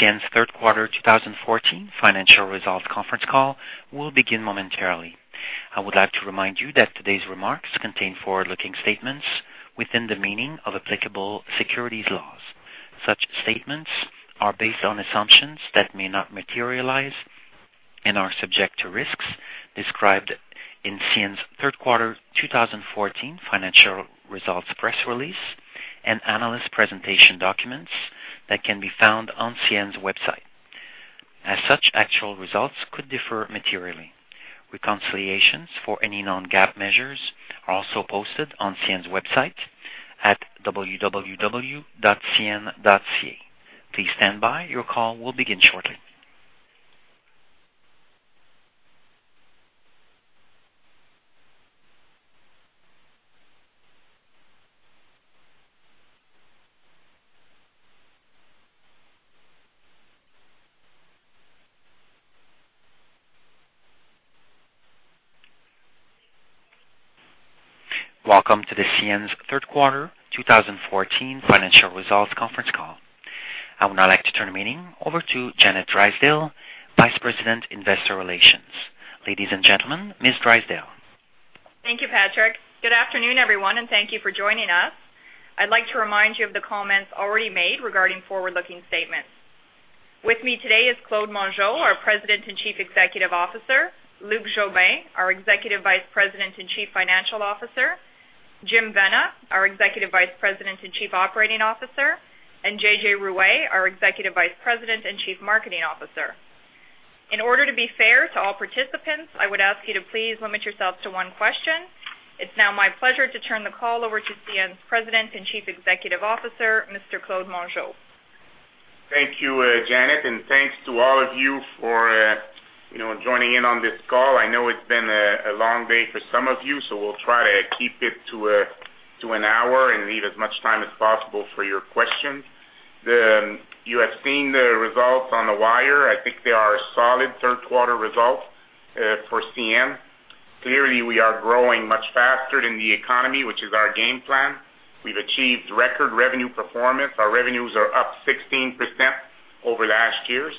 CN's Third Quarter 2014 Financial Results Conference Call will begin momentarily. I would like to remind you that today's remarks contain forward-looking statements within the meaning of applicable securities laws. Such statements are based on assumptions that may not materialize and are subject to risks described in CN's Third Quarter 2014 Financial Results press release and analyst presentation documents that can be found on CN's website. As such, actual results could differ materially. Reconciliations for any non-GAAP measures are also posted on CN's website at www.cn.ca. Please stand by. Your call will begin shortly. Welcome to the CN's third quarter 2014 financial results conference call. I would now like to turn the meeting over to Janet Drysdale, Vice President, Investor Relations. Ladies and gentlemen, Ms. Drysdale. Thank you, Patrick. Good afternoon, everyone, and thank you for joining us. I'd like to remind you of the comments already made regarding forward-looking statements. With me today is Claude Mongeau, our President and Chief Executive Officer; Luc Jobin, our Executive Vice President and Chief Financial Officer; Jim Vena, our Executive Vice President and Chief Operating Officer; and J.J. Ruest, our Executive Vice President and Chief Marketing Officer. In order to be fair to all participants, I would ask you to please limit yourselves to one question. It's now my pleasure to turn the call over to CN's President and Chief Executive Officer, Mr. Claude Mongeau. Thank you, Janet, and thanks to all of you for joining in on this call. I know it's been a long day for some of you, so we'll try to keep it to an hour and leave as much time as possible for your questions. You have seen the results on the wire. I think they are solid third quarter results for CN. Clearly, we are growing much faster than the economy, which is our game plan. We've achieved record revenue performance. Our revenues are up 16% over last year.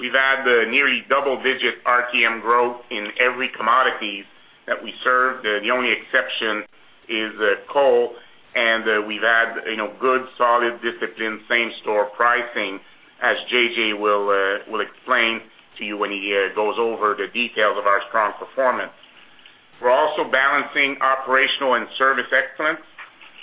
We've had nearly double-digit RTM growth in every commodity that we serve. The only exception is coal, and we've had good solid discipline, same store pricing, as J.J. will explain to you when he goes over the details of our strong performance. We're also balancing operational and service excellence.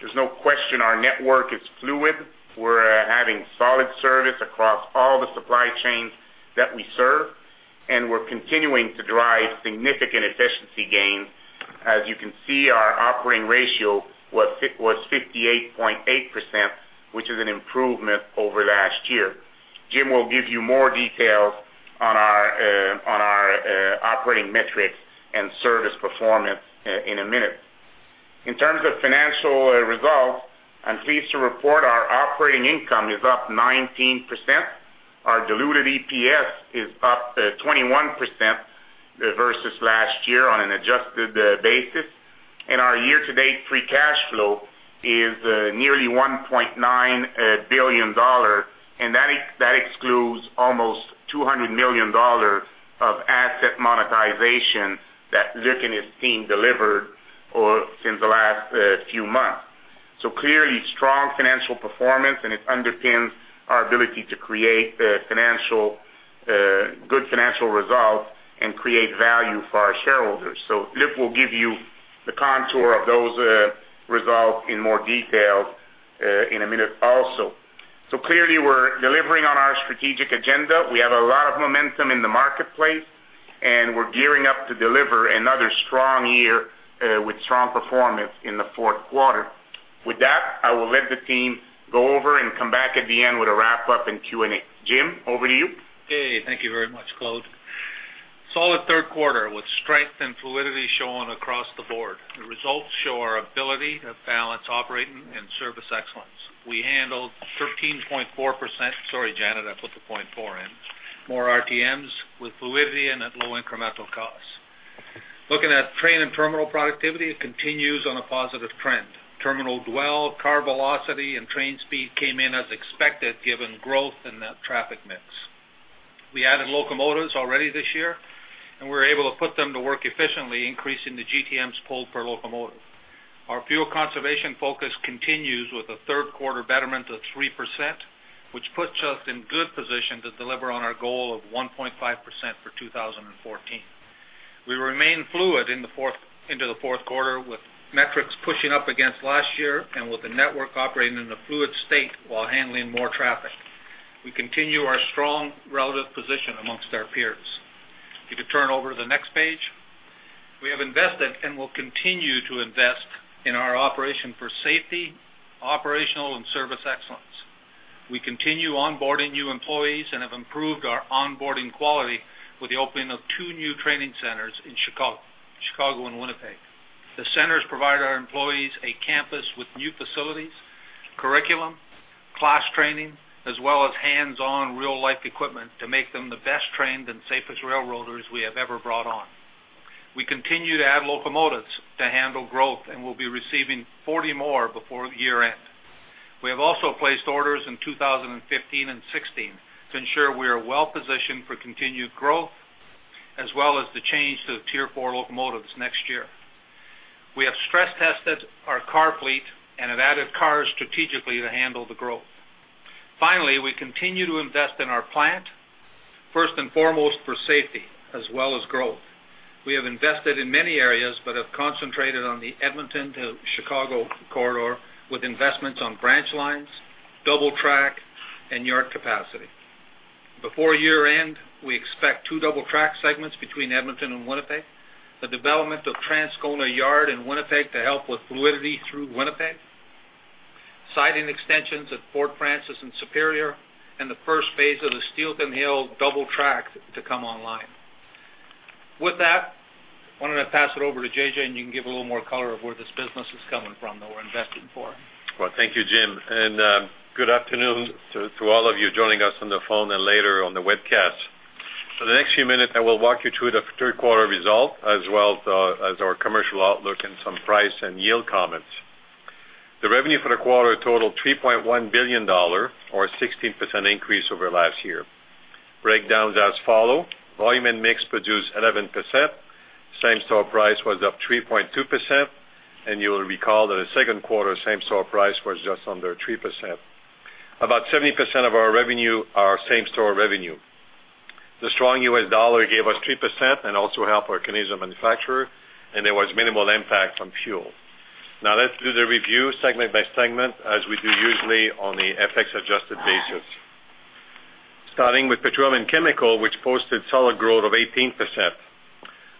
There's no question our network is fluid. We're having solid service across all the supply chains that we serve, and we're continuing to drive significant efficiency gains. As you can see, our operating ratio was 58.8%, which is an improvement over last year. Jim will give you more details on our operating metrics and service performance in a minute. In terms of financial results, I'm pleased to report our operating income is up 19%. Our diluted EPS is up 21% versus last year on an adjusted basis, and our year-to-date free cash flow is nearly $1.9 billion, and that excludes almost $200 million of asset monetization that Luc and his team delivered since the last few months. So clearly, strong financial performance, and it underpins our ability to create good financial results and create value for our shareholders. So Luc will give you the contour of those results in more detail in a minute also. So clearly, we're delivering on our strategic agenda. We have a lot of momentum in the marketplace, and we're gearing up to deliver another strong year with strong performance in the fourth quarter. With that, I will let the team go over and come back at the end with a wrap-up and Q&A. Jim, over to you. Okay. Thank you very much, Claude. Solid third quarter with strength and fluidity shown across the board. The results show our ability to balance operating and service excellence. We handled 13.4% (sorry, Janet, I put the 0.4 in) more RTMs with fluidity and at low incremental costs. Looking at train and terminal productivity, it continues on a positive trend. Terminal dwell, car velocity, and train speed came in as expected given growth in that traffic mix. We added locomotives already this year, and we were able to put them to work efficiently, increasing the GTMs pulled per locomotive. Our fuel conservation focus continues with a third quarter betterment of 3%, which puts us in good position to deliver on our goal of 1.5% for 2014. We remain fluid into the fourth quarter with metrics pushing up against last year and with the network operating in a fluid state while handling more traffic. We continue our strong relative position among our peers. If you could turn over to the next page. We have invested and will continue to invest in our operation for safety, operational, and service excellence. We continue onboarding new employees and have improved our onboarding quality with the opening of 2 new training centers in Chicago and Winnipeg. The centers provide our employees a campus with new facilities, curriculum, class training, as well as hands-on real-life equipment to make them the best trained and safest Railroaders we have ever brought on. We continue to add locomotives to handle growth and will be receiving 40 more before year-end. We have also placed orders in 2015 and 2016 to ensure we are well-positioned for continued growth as well as the change to Tier 4 locomotives next year. We have stress-tested our car fleet and have added cars strategically to handle the growth. Finally, we continue to invest in our plant, first and foremost for safety as well as growth. We have invested in many areas but have concentrated on the Edmonton to Chicago corridor with investments on branch lines, double track, and yard capacity. Before year-end, we expect two double track segments between Edmonton and Winnipeg, the development of Transcona Yard in Winnipeg to help with fluidity through Winnipeg, siding extensions at Fort Frances and Superior, and the first phase of the Steelton Hill double track to come online. With that, I wanted to pass it over to J.J., and you can give a little more color of where this business is coming from that we're investing for. Well, thank you, Jim. Good afternoon to all of you joining us on the phone and later on the webcast. For the next few minutes, I will walk you through the third quarter result as well as our commercial outlook and some price and yield comments. The revenue for the quarter totaled $3.1 billion, or a 16% increase over last year. Breakdowns as follow: volume and mix produced 11%, same store price was up 3.2%, and you'll recall that the second quarter same store price was just under 3%. About 70% of our revenue are same store revenue. The strong US dollar gave us 3% and also helped our Canadian manufacturer, and there was minimal impact from fuel. Now, let's do the review segment by segment as we do usually on the FX adjusted basis. Starting with Petroleum and Chemical, which posted solid growth of 18%.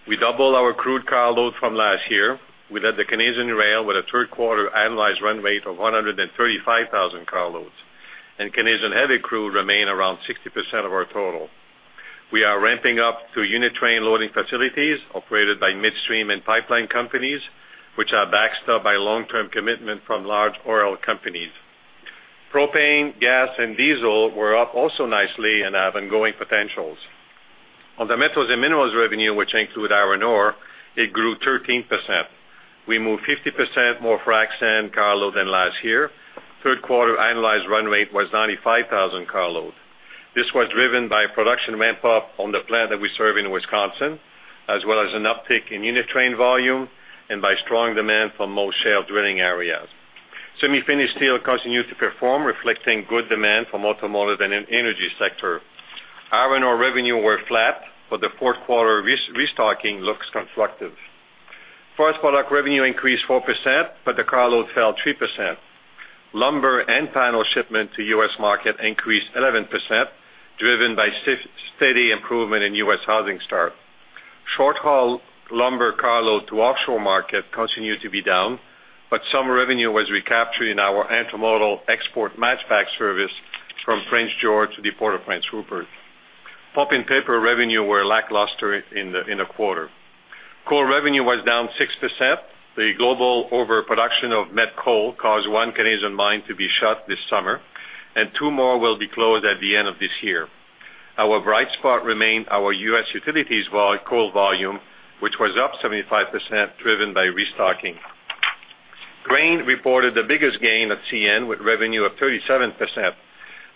We doubled our crude carloads from last year. We led the Canadian rail with a third quarter annualized run rate of 135,000 carloads, and Canadian heavy crude remain around 60% of our total. We are ramping up to unit train loading facilities operated by midstream and pipeline companies, which are backed up by long-term commitment from large oil companies. Propane, gas, and diesel were up also nicely and have ongoing potentials. On the metals and minerals revenue, which include iron ore, it grew 13%. We moved 50% more frac sand carloads than last year. Third quarter annualized run rate was 95,000 carloads. This was driven by production ramp-up on the plant that we serve in Wisconsin, as well as an uptick in unit train volume and by strong demand from most shale drilling areas. Semi-finished steel continues to perform, reflecting good demand from automotive and energy sector. Iron ore revenues were flat, but the fourth quarter restocking looks constructive. Forest products revenue increased 4%, but the carloads fell 3%. Lumber and panels shipments to U.S. market increased 11%, driven by steady improvement in U.S. housing starts. Short-haul lumber carloads to offshore market continued to be down, but some revenue was recaptured in our intermodal export matchback service from Prince George to the Port of Prince Rupert. Pulp and paper revenues were lackluster in the quarter. Coal revenue was down 6%. The global overproduction of met coal caused one Canadian mine to be shut this summer, and two more will be closed at the end of this year. Our bright spot remained our U.S. utilities volume coal volume, which was up 75%, driven by restocking. Grain reported the biggest gain at CN with revenue of 37%.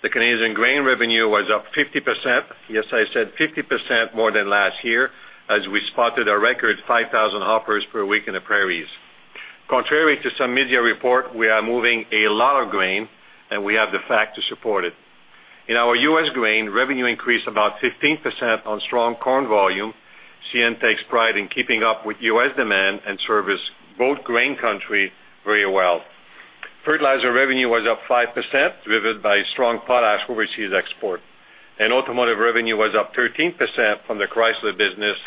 The Canadian grain revenue was up 50%. Yes, I said 50% more than last year as we spotted a record 5,000 hoppers per week in the prairies. Contrary to some media report, we are moving a lot of grain, and we have the fact to support it. In our U.S. grain, revenue increased about 15% on strong corn volume. CN takes pride in keeping up with U.S. demand and services both grain country very well. Fertilizer revenue was up 5%, driven by strong potash overseas export. Automotive revenue was up 13% from the Chrysler business,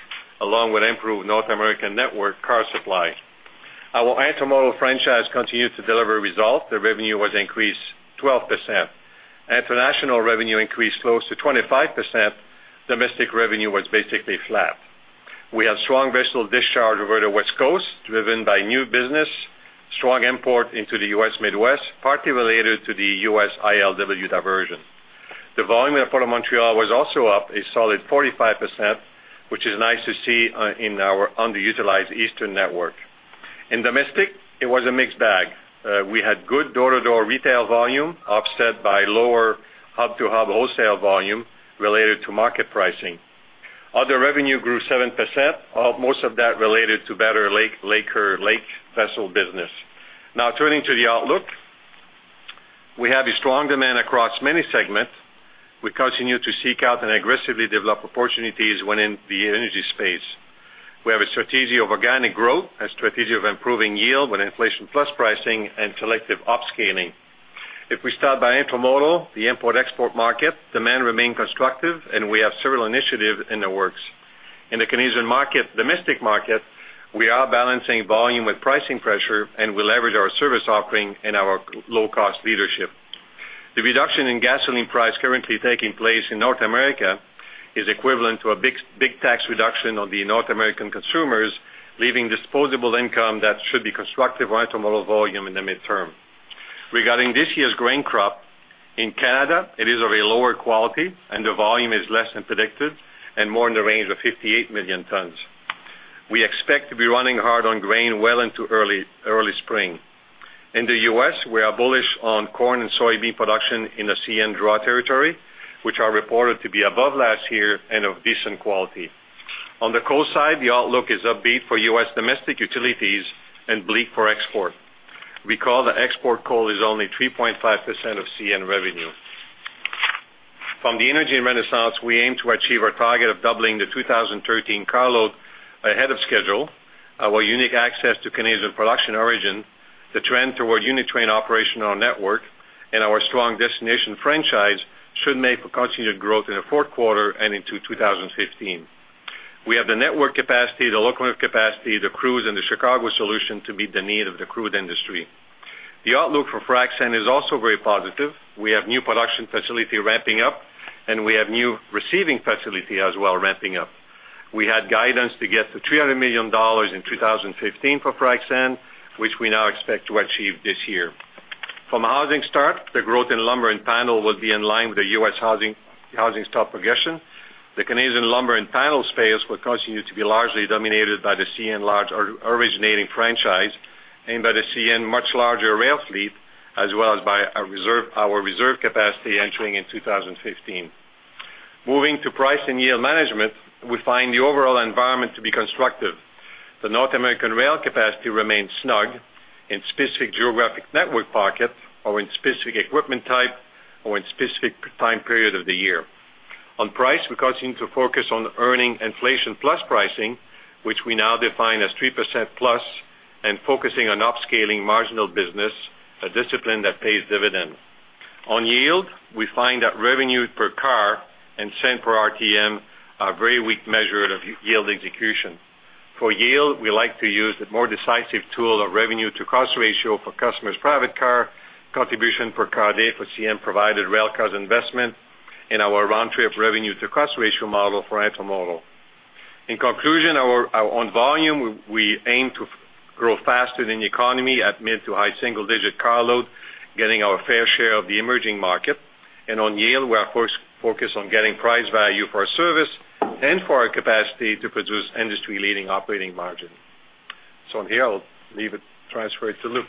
along with improved North American network car supply. Our intermodal franchise continued to deliver results. The revenue was increased 12%. International revenue increased close to 25%. Domestic revenue was basically flat. We have strong vessel discharge over the West Coast, driven by new business, strong import into the US Midwest, partly related to the US ILWU diversion. The volume in Port of Montreal was also up a solid 45%, which is nice to see in our underutilized eastern network. In domestic, it was a mixed bag. We had good door-to-door retail volume offset by lower hub-to-hub wholesale volume related to market pricing. Other revenue grew 7%, most of that related to better Laker Lake vessel business. Now, turning to the outlook, we have a strong demand across many segments. We continue to seek out and aggressively develop opportunities within the energy space. We have a strategy of organic growth, a strategy of improving yield with inflation plus pricing and selective upscaling. If we start by intermodal, the import-export market, demand remained constructive, and we have several initiatives in the works. In the Canadian market, domestic market, we are balancing volume with pricing pressure, and we leverage our service offering and our low-cost leadership. The reduction in gasoline price currently taking place in North America is equivalent to a big tax reduction on the North American consumers, leaving disposable income that should be constructive for intermodal volume in the midterm. Regarding this year's grain crop, in Canada, it is of a lower quality, and the volume is less than predicted and more in the range of 58 million tons. We expect to be running hard on grain well into early spring. In the U.S., we are bullish on corn and soybean production in the CN draw territory, which are reported to be above last year and of decent quality. On the coal side, the outlook is upbeat for U.S. domestic utilities and bleak for export. Recall that export coal is only 3.5% of CN revenue. From the energy renaissance, we aim to achieve our target of doubling the 2013 carload ahead of schedule. Our unique access to Canadian production origin, the trend toward unit train operational network, and our strong destination franchise should make for continued growth in the fourth quarter and into 2015. We have the network capacity, the locomotive capacity, the crew, and the Chicago solution to meet the need of the crude industry. The outlook for frac sand is also very positive. We have new production facility ramping up, and we have new receiving facility as well ramping up. We had guidance to get to $300 million in 2015 for frac sand, which we now expect to achieve this year. From a housing start, the growth in lumber and panel will be in line with the U.S. housing starts progression. The Canadian lumber and panel space will continue to be largely dominated by the CN large originating franchise and by the CN much larger rail fleet, as well as by our reserve capacity entering in 2015. Moving to price and yield management, we find the overall environment to be constructive. The North American rail capacity remains snug in specific geographic network pockets or in specific equipment type or in specific time period of the year. On price, we continue to focus on earning inflation plus pricing, which we now define as 3%+ and focusing on upscaling marginal business, a discipline that pays dividend. On yield, we find that revenue per car and cents per RTM are very weak measure of yield execution. For yield, we like to use the more decisive tool of revenue-to-cost ratio for customers' private car contribution per car day for CN-provided rail cars investment in our round trip revenue-to-cost ratio model for intermodal. In conclusion, on volume, we aim to grow faster than the economy at mid- to high-single-digit carload, getting our fair share of the emerging market. And on yield, we are focused on getting price value for our service and for our capacity to produce industry-leading operating margin. So here, I'll leave it transferred to Luc.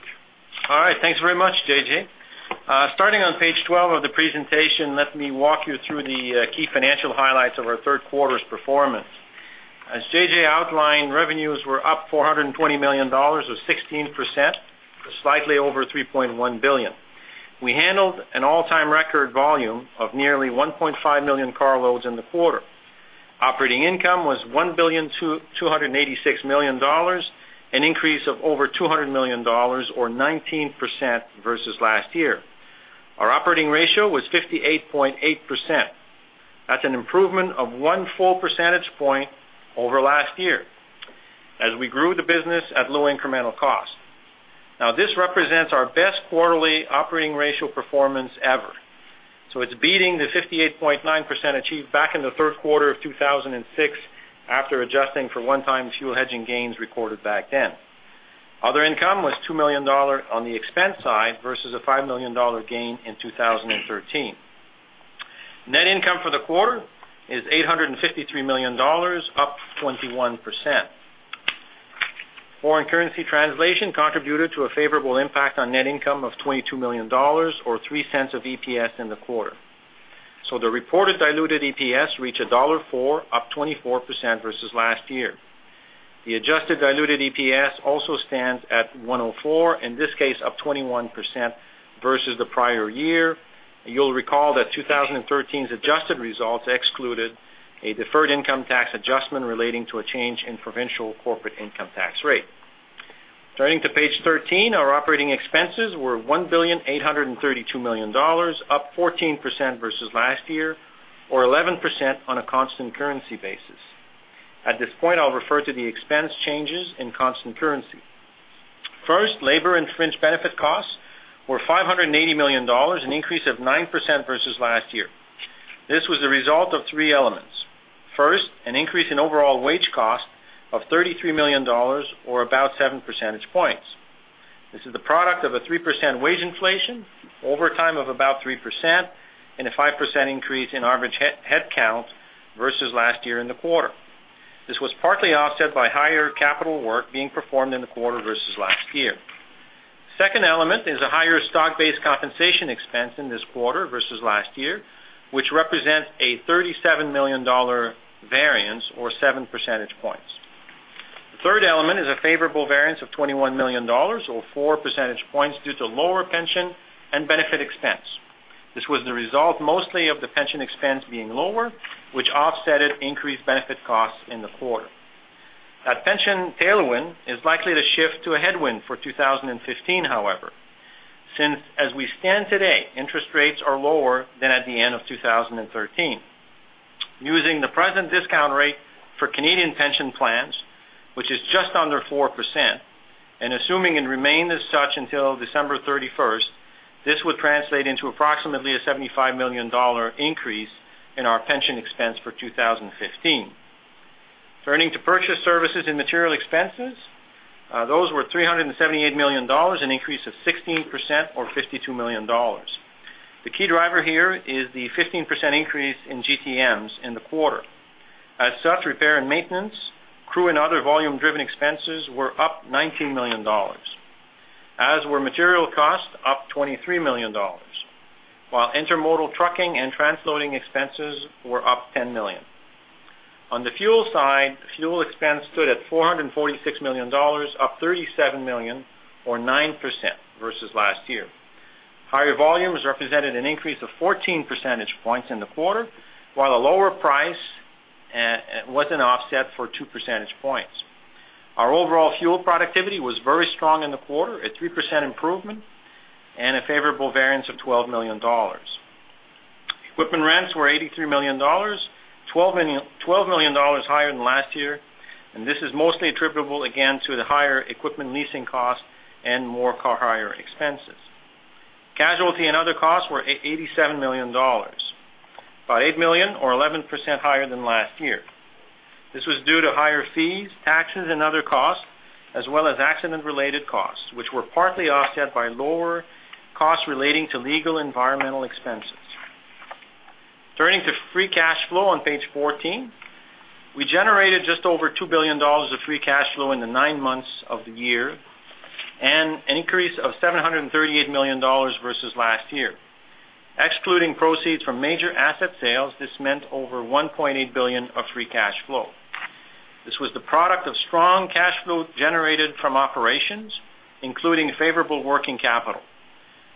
All right. Thanks very much, J.J. Starting on page 12 of the presentation, let me walk you through the key financial highlights of our third quarter's performance. As J.J. outlined, revenues were up $420 million, or 16%, slightly over $3.1 billion. We handled an all-time record volume of nearly 1.5 million carloads in the quarter. Operating income was $1,286 million, an increase of over $200 million, or 19% versus last year. Our operating ratio was 58.8%. That's an improvement of one full percentage point over last year as we grew the business at low incremental cost. Now, this represents our best quarterly operating ratio performance ever. So it's beating the 58.9% achieved back in the third quarter of 2006 after adjusting for one-time fuel hedging gains recorded back then. Other income was $2 million on the expense side versus a $5 million gain in 2013. Net income for the quarter is 853 million dollars, up 21%. Foreign currency translation contributed to a favorable impact on net income of 22 million dollars, or 0.03 of EPS in the quarter. So the reported diluted EPS reached dollar 1.04, up 24% versus last year. The adjusted diluted EPS also stands at 1.04, in this case, up 21% versus the prior year. You'll recall that 2013's adjusted results excluded a deferred income tax adjustment relating to a change in provincial corporate income tax rate. Turning to page 13, our operating expenses were 1,832 million dollars, up 14% versus last year, or 11% on a constant currency basis. At this point, I'll refer to the expense changes in constant currency. First, labor and fringe benefit costs were 580 million dollars, an increase of 9% versus last year. This was the result of three elements. First, an increase in overall wage cost of 33 million dollars, or about 7 percentage points. This is the product of a 3% wage inflation, overtime of about 3%, and a 5% increase in average headcount versus last year in the quarter. This was partly offset by higher capital work being performed in the quarter versus last year. Second element is a higher stock-based compensation expense in this quarter versus last year, which represents a 37 million dollar variance, or 7 percentage points. The third element is a favorable variance of 21 million dollars, or 4 percentage points due to lower pension and benefit expense. This was the result mostly of the pension expense being lower, which offset the increased benefit costs in the quarter. That pension tailwind is likely to shift to a headwind for 2015, however, since as we stand today, interest rates are lower than at the end of 2013. Using the present discount rate for Canadian pension plans, which is just under 4%, and assuming it remained as such until December 31st, this would translate into approximately a $75 million increase in our pension expense for 2015. Turning to purchase services and material expenses, those were $378 million, an increase of 16%, or $52 million. The key driver here is the 15% increase in GTMs in the quarter. As such, repair and maintenance, crew, and other volume-driven expenses were up $19 million, as were material costs, up $23 million, while intermodal trucking and transloading expenses were up $10 million. On the fuel side, fuel expense stood at $446 million, up $37 million, or 9% versus last year. Higher volumes represented an increase of 14 percentage points in the quarter, while a lower price was an offset for 2 percentage points. Our overall fuel productivity was very strong in the quarter, a 3% improvement, and a favorable variance of $12 million. Equipment rents were $83 million, $12 million higher than last year, and this is mostly attributable again to the higher equipment leasing costs and more car hire expenses. Casualty and other costs were $87 million, about $8 million, or 11% higher than last year. This was due to higher fees, taxes, and other costs, as well as accident-related costs, which were partly offset by lower costs relating to legal environmental expenses. Turning to free cash flow on page 14, we generated just over $2 billion of free cash flow in the nine months of the year and an increase of $738 million versus last year. Excluding proceeds from major asset sales, this meant over $1.8 billion of free cash flow. This was the product of strong cash flow generated from operations, including favorable working capital.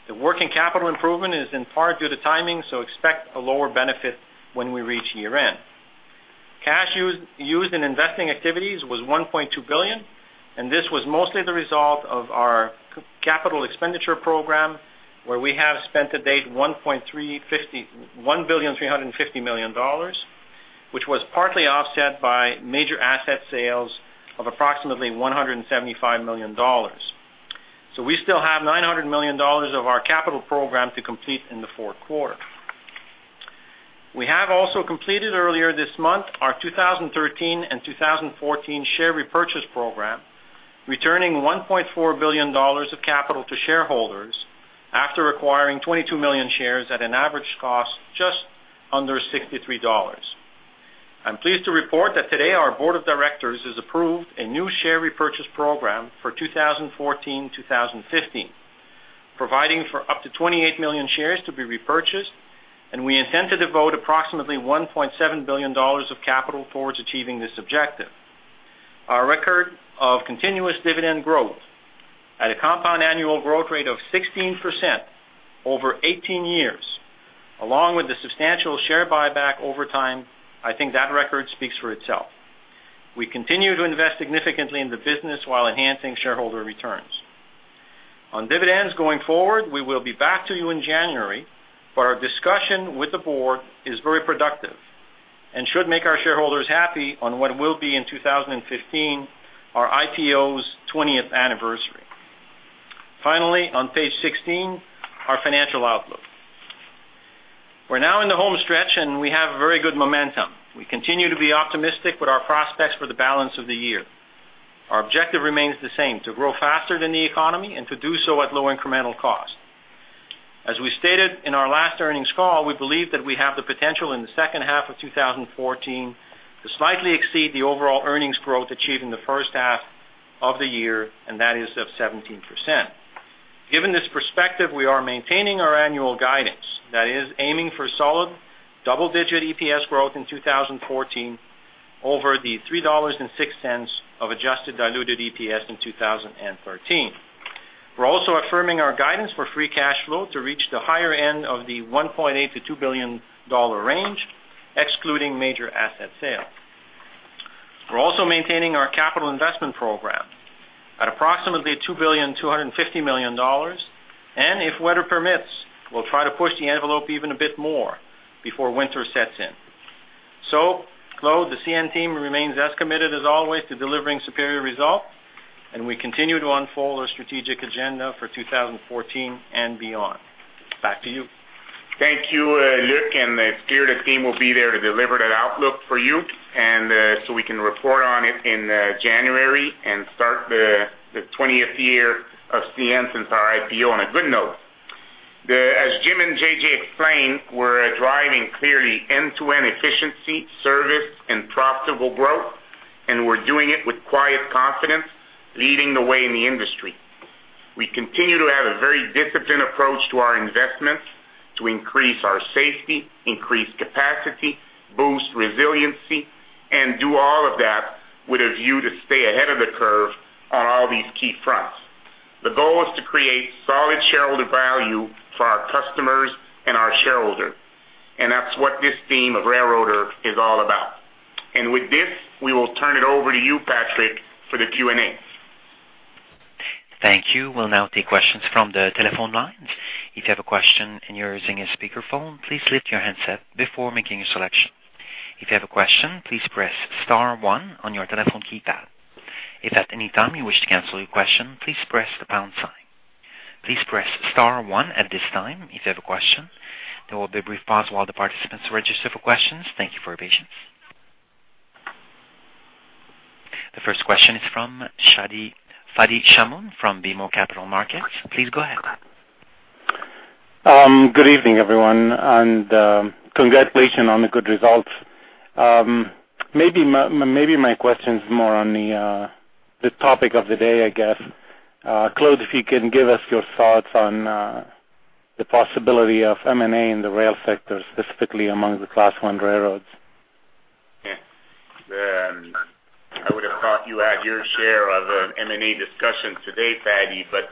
The working capital improvement is in part due to timing, so expect a lower benefit when we reach year-end. Cash used in investing activities was 1.2 billion, and this was mostly the result of our capital expenditure program, where we have spent to date 1,350 million dollars, which was partly offset by major asset sales of approximately 175 million dollars. So we still have 900 million dollars of our capital program to complete in the fourth quarter. We have also completed earlier this month our 2013 and 2014 share repurchase program, returning 1.4 billion dollars of capital to shareholders after acquiring 22 million shares at an average cost just under 63 dollars. I'm pleased to report that today our board of directors has approved a new share repurchase program for 2014-2015, providing for up to 28 million shares to be repurchased, and we intend to devote approximately $1.7 billion of capital towards achieving this objective. Our record of continuous dividend growth at a compound annual growth rate of 16% over 18 years, along with the substantial share buyback over time, I think that record speaks for itself. We continue to invest significantly in the business while enhancing shareholder returns. On dividends going forward, we will be back to you in January, but our discussion with the board is very productive and should make our shareholders happy on what will be in 2015 our IPO's 20th anniversary. Finally, on page 16, our financial outlook. We're now in the home stretch, and we have very good momentum. We continue to be optimistic with our prospects for the balance of the year. Our objective remains the same: to grow faster than the economy and to do so at low incremental cost. As we stated in our last earnings call, we believe that we have the potential in the second half of 2014 to slightly exceed the overall earnings growth achieved in the first half of the year, and that is of 17%. Given this perspective, we are maintaining our annual guidance. That is, aiming for solid double-digit EPS growth in 2014 over the $3.06 of adjusted diluted EPS in 2013. We're also affirming our guidance for free cash flow to reach the higher end of the $1.8 billion-$2 billion range, excluding major asset sales. We're also maintaining our capital investment program at approximately $2,250 million, and if weather permits, we'll try to push the envelope even a bit more before winter sets in. So, Claude, the CN team remains as committed as always to delivering superior results, and we continue to unfold our strategic agenda for 2014 and beyond. Back to you. Thank you, Luc, and still, the team will be there to deliver that outlook for you, and so we can report on it in January and start the 20th year of CN since our IPO on a good note. As Jim and J.J. explained, we're driving clearly end-to-end efficiency, service, and profitable growth, and we're doing it with quiet confidence, leading the way in the industry. We continue to have a very disciplined approach to our investments to increase our safety, increase capacity, boost resiliency, and do all of that with a view to stay ahead of the curve on all these key fronts. The goal is to create solid shareholder value for our customers and our shareholders, and that's what this theme of Railroader is all about. And with this, we will turn it over to you, Patrick, for the Q&A. Thank you. We'll now take questions from the telephone lines. If you have a question and you're using a speakerphone, please lift your handset before making your selection. If you have a question, please press star one on your telephone keypad. If at any time you wish to cancel your question, please press the pound sign. Please press star one at this time if you have a question. There will be a brief pause while the participants register for questions. Thank you for your patience. The first question is from Fadi Chamoun from BMO Capital Markets. Please go ahead. Good evening, everyone, and congratulations on the good results. Maybe my question's more on the topic of the day, I guess. Claude, if you can give us your thoughts on the possibility of M&A in the rail sector, specifically among the class one railroads. Yeah. I would have thought you had your share of an M&A discussion today, Fadi, but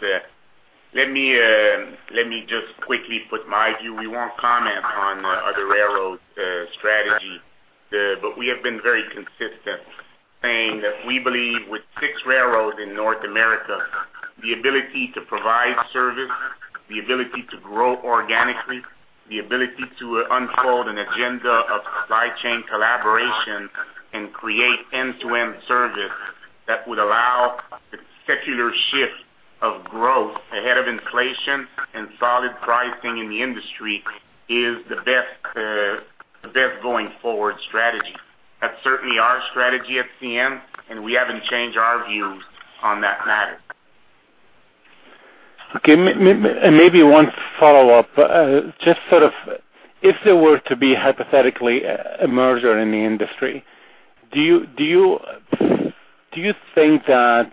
let me just quickly put my view. We won't comment on other railroad strategy, but we have been very consistent saying that we believe with six railroads in North America, the ability to provide service, the ability to grow organically, the ability to unfold an agenda of supply chain collaboration, and create end-to-end service that would allow the secular shift of growth ahead of inflation and solid pricing in the industry is the best going forward strategy. That's certainly our strategy at CN, and we haven't changed our view on that matter. Okay. Maybe one follow-up. Just sort of if there were to be hypothetically a merger in the industry, do you think that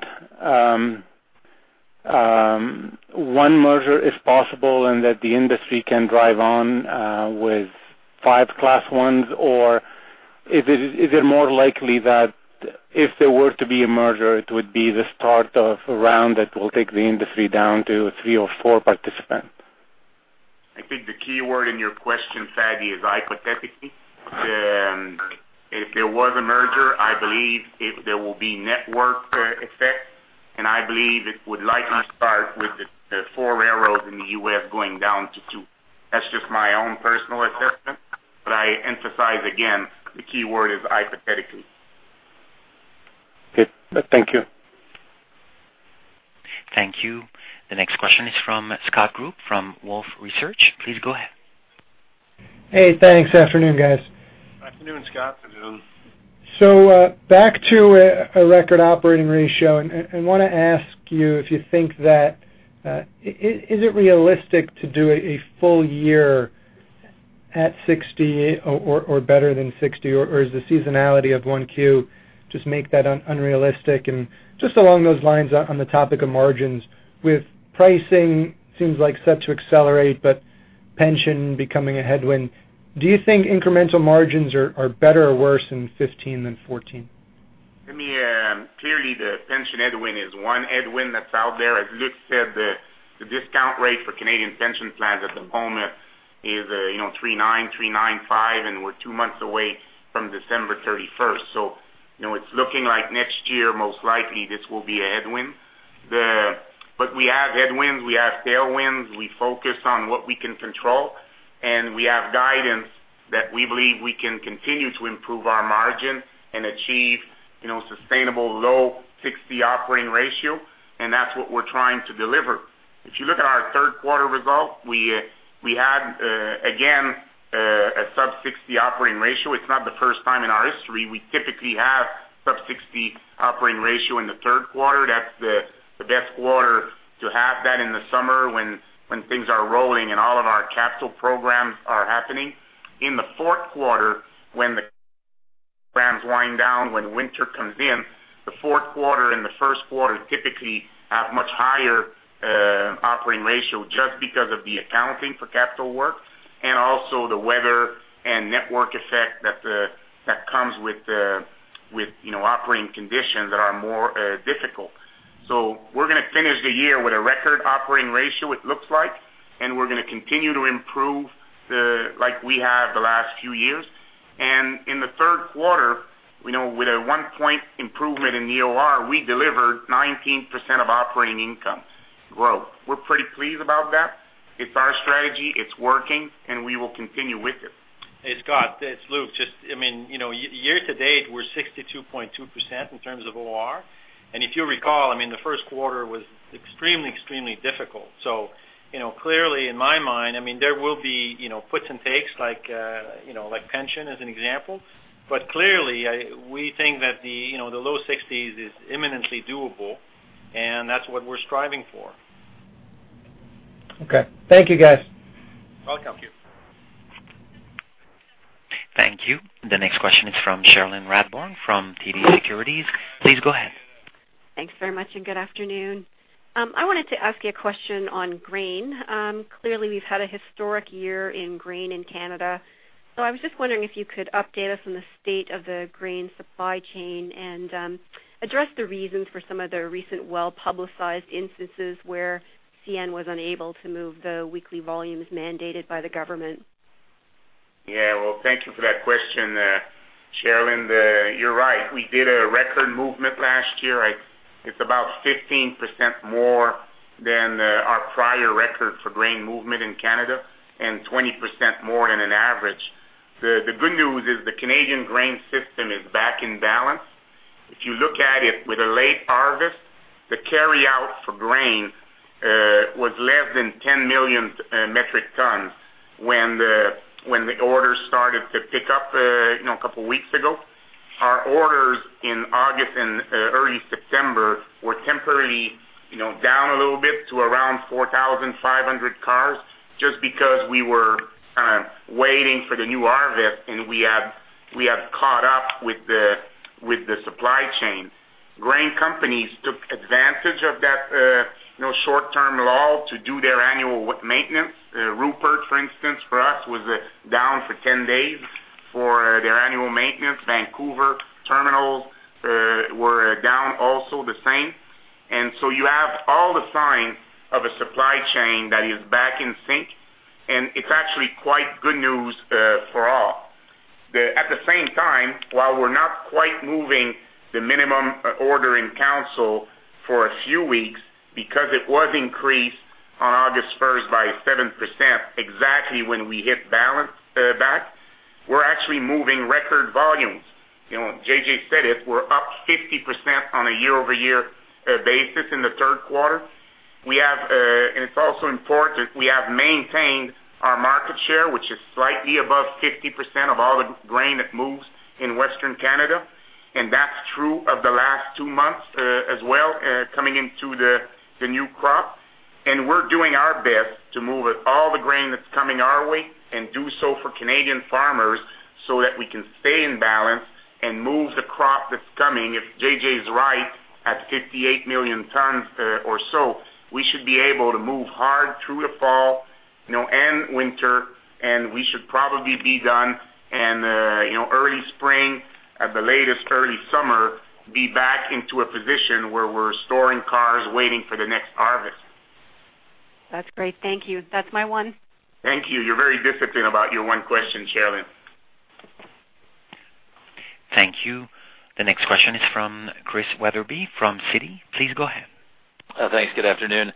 one merger is possible and that the industry can drive on with five Class I's, or is it more likely that if there were to be a merger, it would be the start of a round that will take the industry down to three or four participants? I think the key word in your question, Fadi, is hypothetically. If there was a merger, I believe there will be network effects, and I believe it would likely start with the four railroads in the U.S. going down to two. That's just my own personal assessment, but I emphasize again, the key word is hypothetically. Okay. Thank you. Thank you. The next question is from Scott Group from Wolfe Research. Please go ahead. Hey, thanks. Good afternoon, guys. Good afternoon, Scott. Good afternoon. So back to a record operating ratio, and I want to ask you if you think that is it realistic to do a full year at 60 or better than 60, or is the seasonality of one Q just make that unrealistic? And just along those lines on the topic of margins, with pricing seems like set to accelerate, but pension becoming a headwind, do you think incremental margins are better or worse in 2015 than 2014? Clearly, the pension headwind is one headwind that's out there. As Luc said, the discount rate for Canadian pension plans at the moment is 3.9, 3.95, and we're two months away from December 31st. So it's looking like next year, most likely, this will be a headwind. But we have headwinds, we have tailwinds, we focus on what we can control, and we have guidance that we believe we can continue to improve our margin and achieve sustainable low 60 operating ratio, and that's what we're trying to deliver. If you look at our third quarter result, we had, again, a sub-60 operating ratio. It's not the first time in our history. We typically have sub-60 operating ratio in the third quarter. That's the best quarter to have that in the summer when things are rolling and all of our capital programs are happening. In the fourth quarter, when the programs wind down, when winter comes in, the fourth quarter and the first quarter typically have much higher Operating Ratio just because of the accounting for capital work and also the weather and network effect that comes with operating conditions that are more difficult. So we're going to finish the year with a record Operating Ratio, it looks like, and we're going to continue to improve like we have the last few years. In the third quarter, with a onepoint improvement in EOR, we delivered 19% of operating income growth. We're pretty pleased about that. It's our strategy, it's working, and we will continue with it. Hey, Scott, it's Luc. Just, I mean, year to date, we're 62.2% in terms of OR. And if you recall, I mean, the first quarter was extremely, extremely difficult. So clearly, in my mind, I mean, there will be puts and takes, like pension as an example, but clearly, we think that the low 60s is imminently doable, and that's what we're striving for. Okay. Thank you, guys. Welcome. Thank you. The next question is from Cherilyn Radbourne from TD Securities. Please go ahead. Thanks very much and good afternoon. I wanted to ask you a question on grain. Clearly, we've had a historic year in grain in Canada, so I was just wondering if you could update us on the state of the grain supply chain and address the reasons for some of the recent well-publicized instances where CN was unable to move the weekly volumes mandated by the government. Yeah. Well, thank you for that question. Cherilyn, you're right. We did a record movement last year. It's about 15% more than our prior record for grain movement in Canada and 20% more than an average. The good news is the Canadian grain system is back in balance. If you look at it with a late harvest, the carryout for grain was less than 10 million metric tons when the orders started to pick up a couple of weeks ago. Our orders in August and early September were temporarily down a little bit to around 4,500 cars just because we were kind of waiting for the new harvest, and we had caught up with the supply chain. Grain companies took advantage of that short-term lull to do their annual maintenance. Rupert, for instance, for us, was down for 10 days for their annual maintenance. Vancouver terminals were down also the same. And so you have all the signs of a supply chain that is back in sync, and it's actually quite good news for all. At the same time, while we're not quite moving the minimum order in council for a few weeks because it was increased on August 1st by 7% exactly when we hit balance back, we're actually moving record volumes. J.J. said it. We're up 50% on a year-over-year basis in the third quarter. And it's also important we have maintained our market share, which is slightly above 50% of all the grain that moves in Western Canada, and that's true of the last two months as well coming into the new crop. We're doing our best to move all the grain that's coming our way and do so for Canadian farmers so that we can stay in balance and move the crop that's coming. If J.J. is right at 58 million tons or so, we should be able to move hard through the fall and winter, and we should probably be done in early spring, at the latest early summer, be back into a position where we're storing cars waiting for the next harvest. That's great. Thank you. That's my one. Thank you. You're very disciplined about your one question, Cherilyn. Thank you. The next question is from Chris Weatherby from Citi. Please go ahead. Thanks. Good afternoon.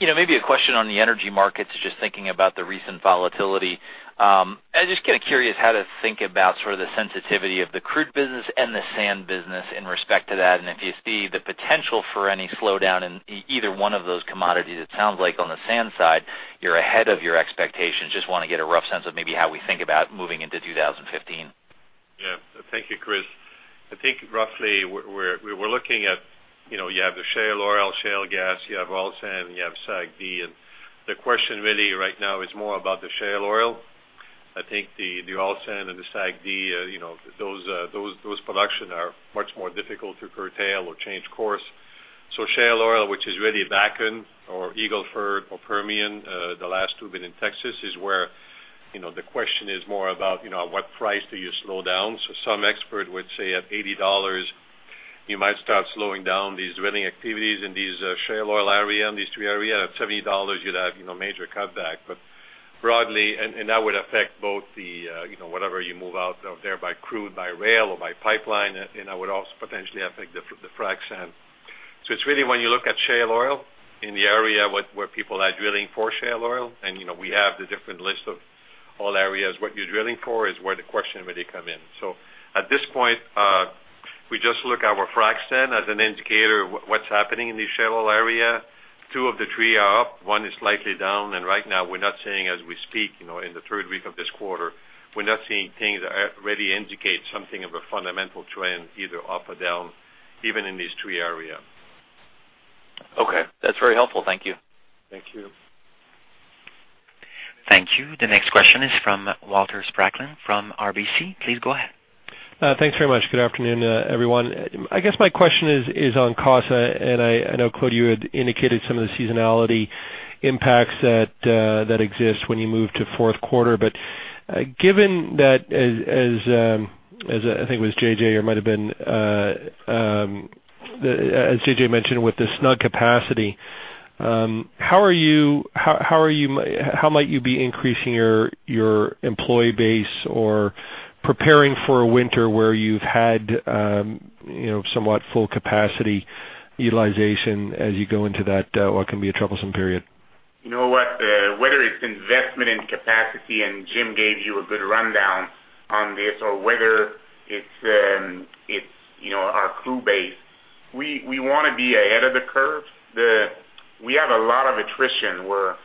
Maybe a question on the energy markets is just thinking about the recent volatility. I'm just kind of curious how to think about sort of the sensitivity of the crude business and the sand business in respect to that, and if you see the potential for any slowdown in either one of those commodities. It sounds like on the sand side, you're ahead of your expectations. Just want to get a rough sense of maybe how we think about moving into 2015. Yeah. Thank you, Chris. I think roughly we're looking at you have the shale oil, shale gas, you have oil sand, and you have SAG-D. And the question really right now is more about the shale oil. I think the oil sand and the SAG-D, those production are much more difficult to curtail or change course. So shale oil, which is really Bakken or Eagle Ford or Permian, the last two have been in Texas, is where the question is more about at what price do you slow down. So some expert would say at $80, you might start slowing down these drilling activities in these shale oil areas, these three areas. At $70, you'd have major cutback. But broadly, and that would affect both the whatever you move out of there by crude, by rail, or by pipeline, and that would also potentially affect the frac sand. So it's really when you look at shale oil in the area where people are drilling for shale oil, and we have the different list of all areas. What you're drilling for is where the question really comes in. So at this point, we just look at our frac sand as an indicator of what's happening in the shale oil area. Two of the three are up, one is slightly down, and right now we're not seeing, as we speak, in the third week of this quarter, we're not seeing things that really indicate something of a fundamental trend, either up or down, even in these three areas. Okay. That's very helpful. Thank you. Thank you. Thank you. The next question is from Walter Spracklin from RBC. Please go ahead. Thanks very much. Good afternoon, everyone. I guess my question is on cost, and I know, Claude, you had indicated some of the seasonality impacts that exist when you move to fourth quarter. But given that, as I think it was J.J. or might have been as J.J. mentioned with the snug capacity, how might you be increasing your employee base or preparing for a winter where you've had somewhat full capacity utilization as you go into that what can be a troublesome period? You know what? Whether it's investment in capacity, and Jim gave you a good rundown on this, or whether it's our crew base, we want to be ahead of the curve. We have a lot of attrition. We're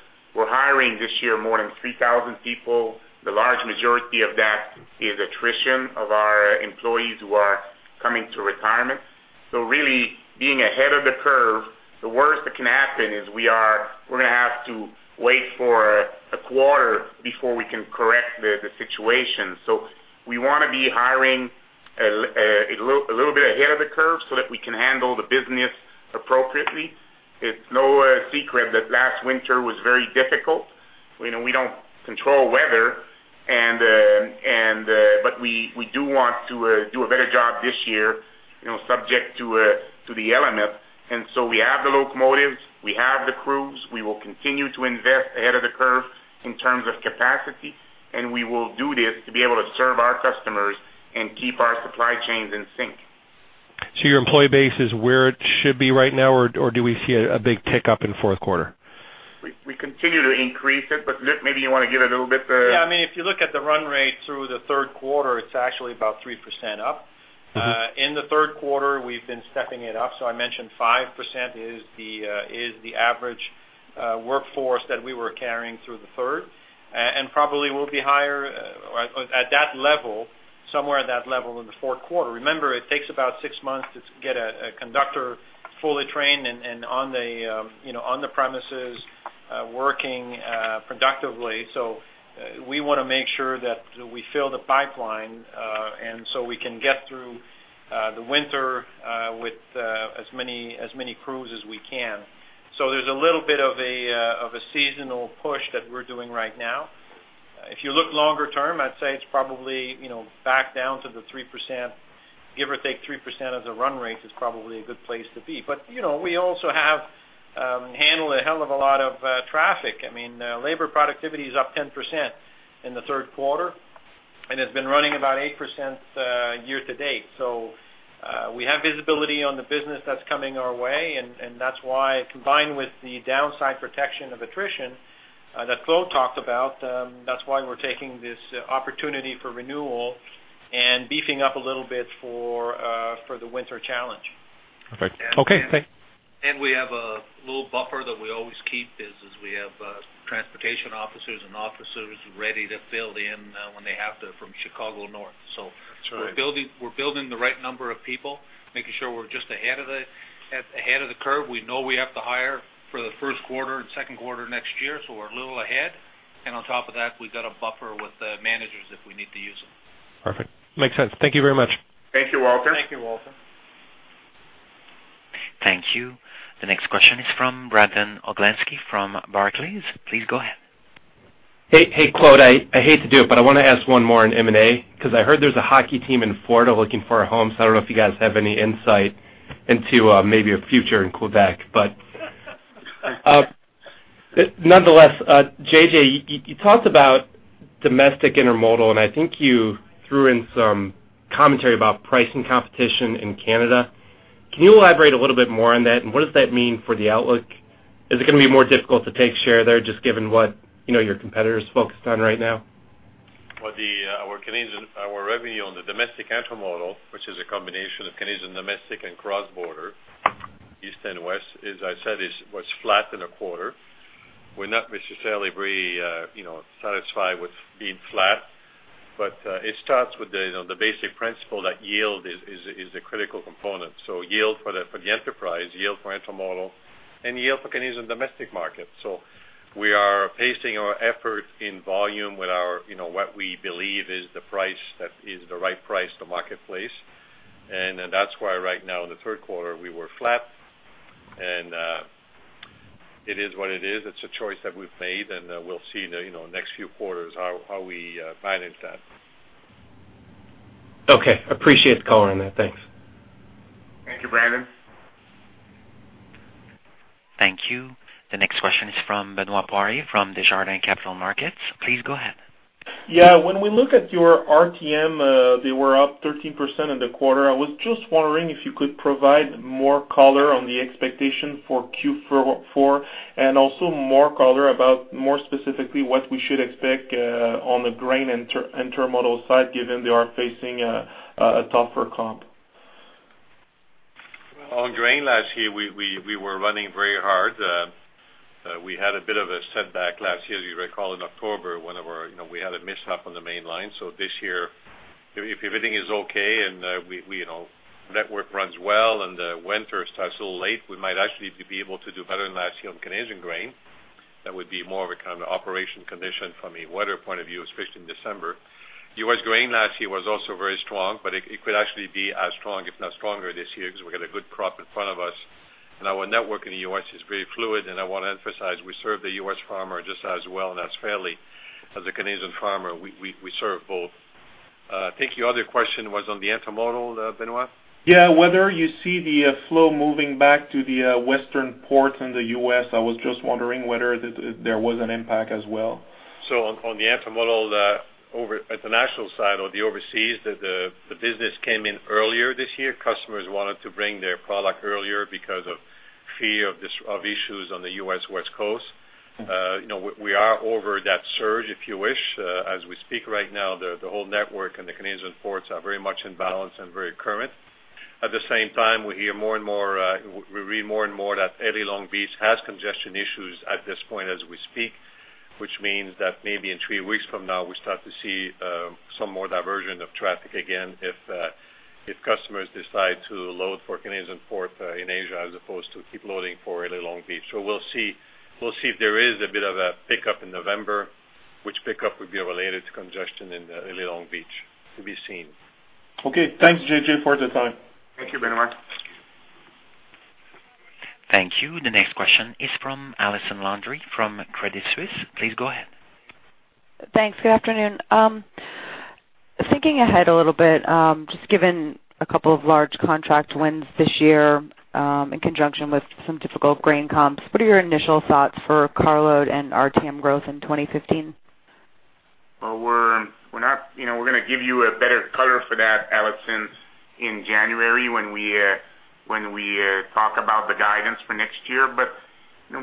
hiring this year more than 3,000 people. The large majority of that is attrition of our employees who are coming to retirement. So really, being ahead of the curve, the worst that can happen is we're going to have to wait for a quarter before we can correct the situation. So we want to be hiring a little bit ahead of the curve so that we can handle the business appropriately. It's no secret that last winter was very difficult. We don't control weather, but we do want to do a better job this year, subject to the elements. And so we have the locomotives, we have the crews, we will continue to invest ahead of the curve in terms of capacity, and we will do this to be able to serve our customers and keep our supply chains in sync. Your employee base is where it should be right now, or do we see a big tick up in fourth quarter? We continue to increase it, but Luc, maybe you want to give it a little bit? Yeah. I mean, if you look at the run rate through the third quarter, it's actually about 3% up. In the third quarter, we've been stepping it up. So I mentioned 5% is the average workforce that we were carrying through the third, and probably will be higher at that level, somewhere at that level in the fourth quarter. Remember, it takes about six months to get a conductor fully trained and on the premises, working productively. So we want to make sure that we fill the pipeline so we can get through the winter with as many crews as we can. So there's a little bit of a seasonal push that we're doing right now. If you look longer term, I'd say it's probably back down to the 3%, give or take 3% as a run rate is probably a good place to be. But we also have handled a hell of a lot of traffic. I mean, labor productivity is up 10% in the third quarter, and it's been running about 8% year to date. So we have visibility on the business that's coming our way, and that's why, combined with the downside protection of attrition that Claude talked about, that's why we're taking this opportunity for renewal and beefing up a little bit for the winter challenge. Perfect. Okay. Thanks. We have a little buffer that we always keep, is we have transportation officers and officers ready to fill in when they have to from Chicago North. So we're building the right number of people, making sure we're just ahead of the curve. We know we have to hire for the first quarter and second quarter next year, so we're a little ahead. On top of that, we've got a buffer with the managers if we need to use them. Perfect. Makes sense. Thank you very much. Thank you, Walter. Thank you, Walter. Thank you. The next question is from Brandon Oglenski from Barclays. Please go ahead. Hey, Claude, I hate to do it, but I want to ask one more in M&A because I heard there's a hockey team in Florida looking for a home, so I don't know if you guys have any insight into maybe a future in Quebec. But nonetheless, J.J., you talked about domestic intermodal, and I think you threw in some commentary about pricing competition in Canada. Can you elaborate a little bit more on that, and what does that mean for the outlook? Is it going to be more difficult to take share there just given what your competitors are focused on right now? Well, our revenue on the domestic intermodal, which is a combination of Canadian domestic and cross-border, east and west, as I said, was flat in a quarter. We're not necessarily very satisfied with being flat, but it starts with the basic principle that yield is a critical component. So yield for the enterprise, yield for intermodal, and yield for Canadian domestic market. So we are pacing our effort in volume with what we believe is the price that is the right price to marketplace, and that's why right now in the third quarter we were flat, and it is what it is. It's a choice that we've made, and we'll see in the next few quarters how we manage that. Okay. Appreciate the color on that. Thanks. Thank you, Brandon. Thank you. The next question is from Benoit Poirier from Desjardins Capital Markets. Please go ahead. Yeah. When we look at your RTM, they were up 13% in the quarter. I was just wondering if you could provide more color on the expectation for Q4 and also more color about more specifically what we should expect on the grain and intermodal side given they are facing a tougher comp? On grain last year, we were running very hard. We had a bit of a setback last year, as you recall, in October, when we had a mishap on the main line. So this year, if everything is okay and the network runs well and the winter starts a little late, we might actually be able to do better than last year on Canadian grain. That would be more of a kind of operation condition from a weather point of view, especially in December. U.S. grain last year was also very strong, but it could actually be as strong, if not stronger, this year because we've got a good crop in front of us. And our network in the U.S. is very fluid, and I want to emphasize we serve the U.S. farmer just as well and as fairly as the Canadian farmer. We serve both. I think your other question was on the intermodal, Benoit? Yeah. Whether you see the flow moving back to the western ports in the US, I was just wondering whether there was an impact as well? So on the intermodal at the national side or the overseas, the business came in earlier this year. Customers wanted to bring their product earlier because of fear of issues on the US West Coast. We are over that surge, if you wish. As we speak right now, the whole network and the Canadian ports are very much in balance and very current. At the same time, we hear more and more, we read more and more that L.A. Long Beach has congestion issues at this point as we speak, which means that maybe in three weeks from now, we start to see some more diversion of traffic again if customers decide to load for Canadian port in Asia as opposed to keep loading for L.A. Long Beach. We'll see if there is a bit of a pickup in November, which pickup would be related to congestion in L.A. Long Beach. To be seen. Okay. Thanks, J.J., for the time. Thank you, Benoit. Thank you. The next question is from Allison Landry from Credit Suisse. Please go ahead. Thanks. Good afternoon. Thinking ahead a little bit, just given a couple of large contract wins this year in conjunction with some difficult grain comps, what are your initial thoughts for carload and RTM growth in 2015? Well, we're not going to give you a better color for that, Allison, in January when we talk about the guidance for next year. But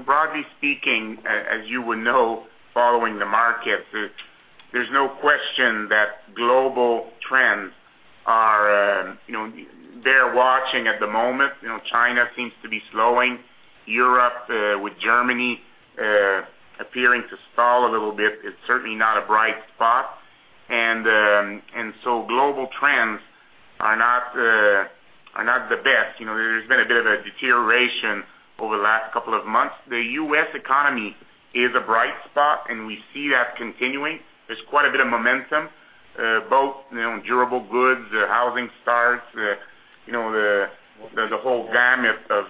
broadly speaking, as you would know, following the markets, there's no question that global trends are worth watching at the moment. China seems to be slowing. Europe, with Germany appearing to stall a little bit, it's certainly not a bright spot. And so global trends are not the best. There's been a bit of a deterioration over the last couple of months. The US economy is a bright spot, and we see that continuing. There's quite a bit of momentum, both durable goods, housing starts, the whole gamut of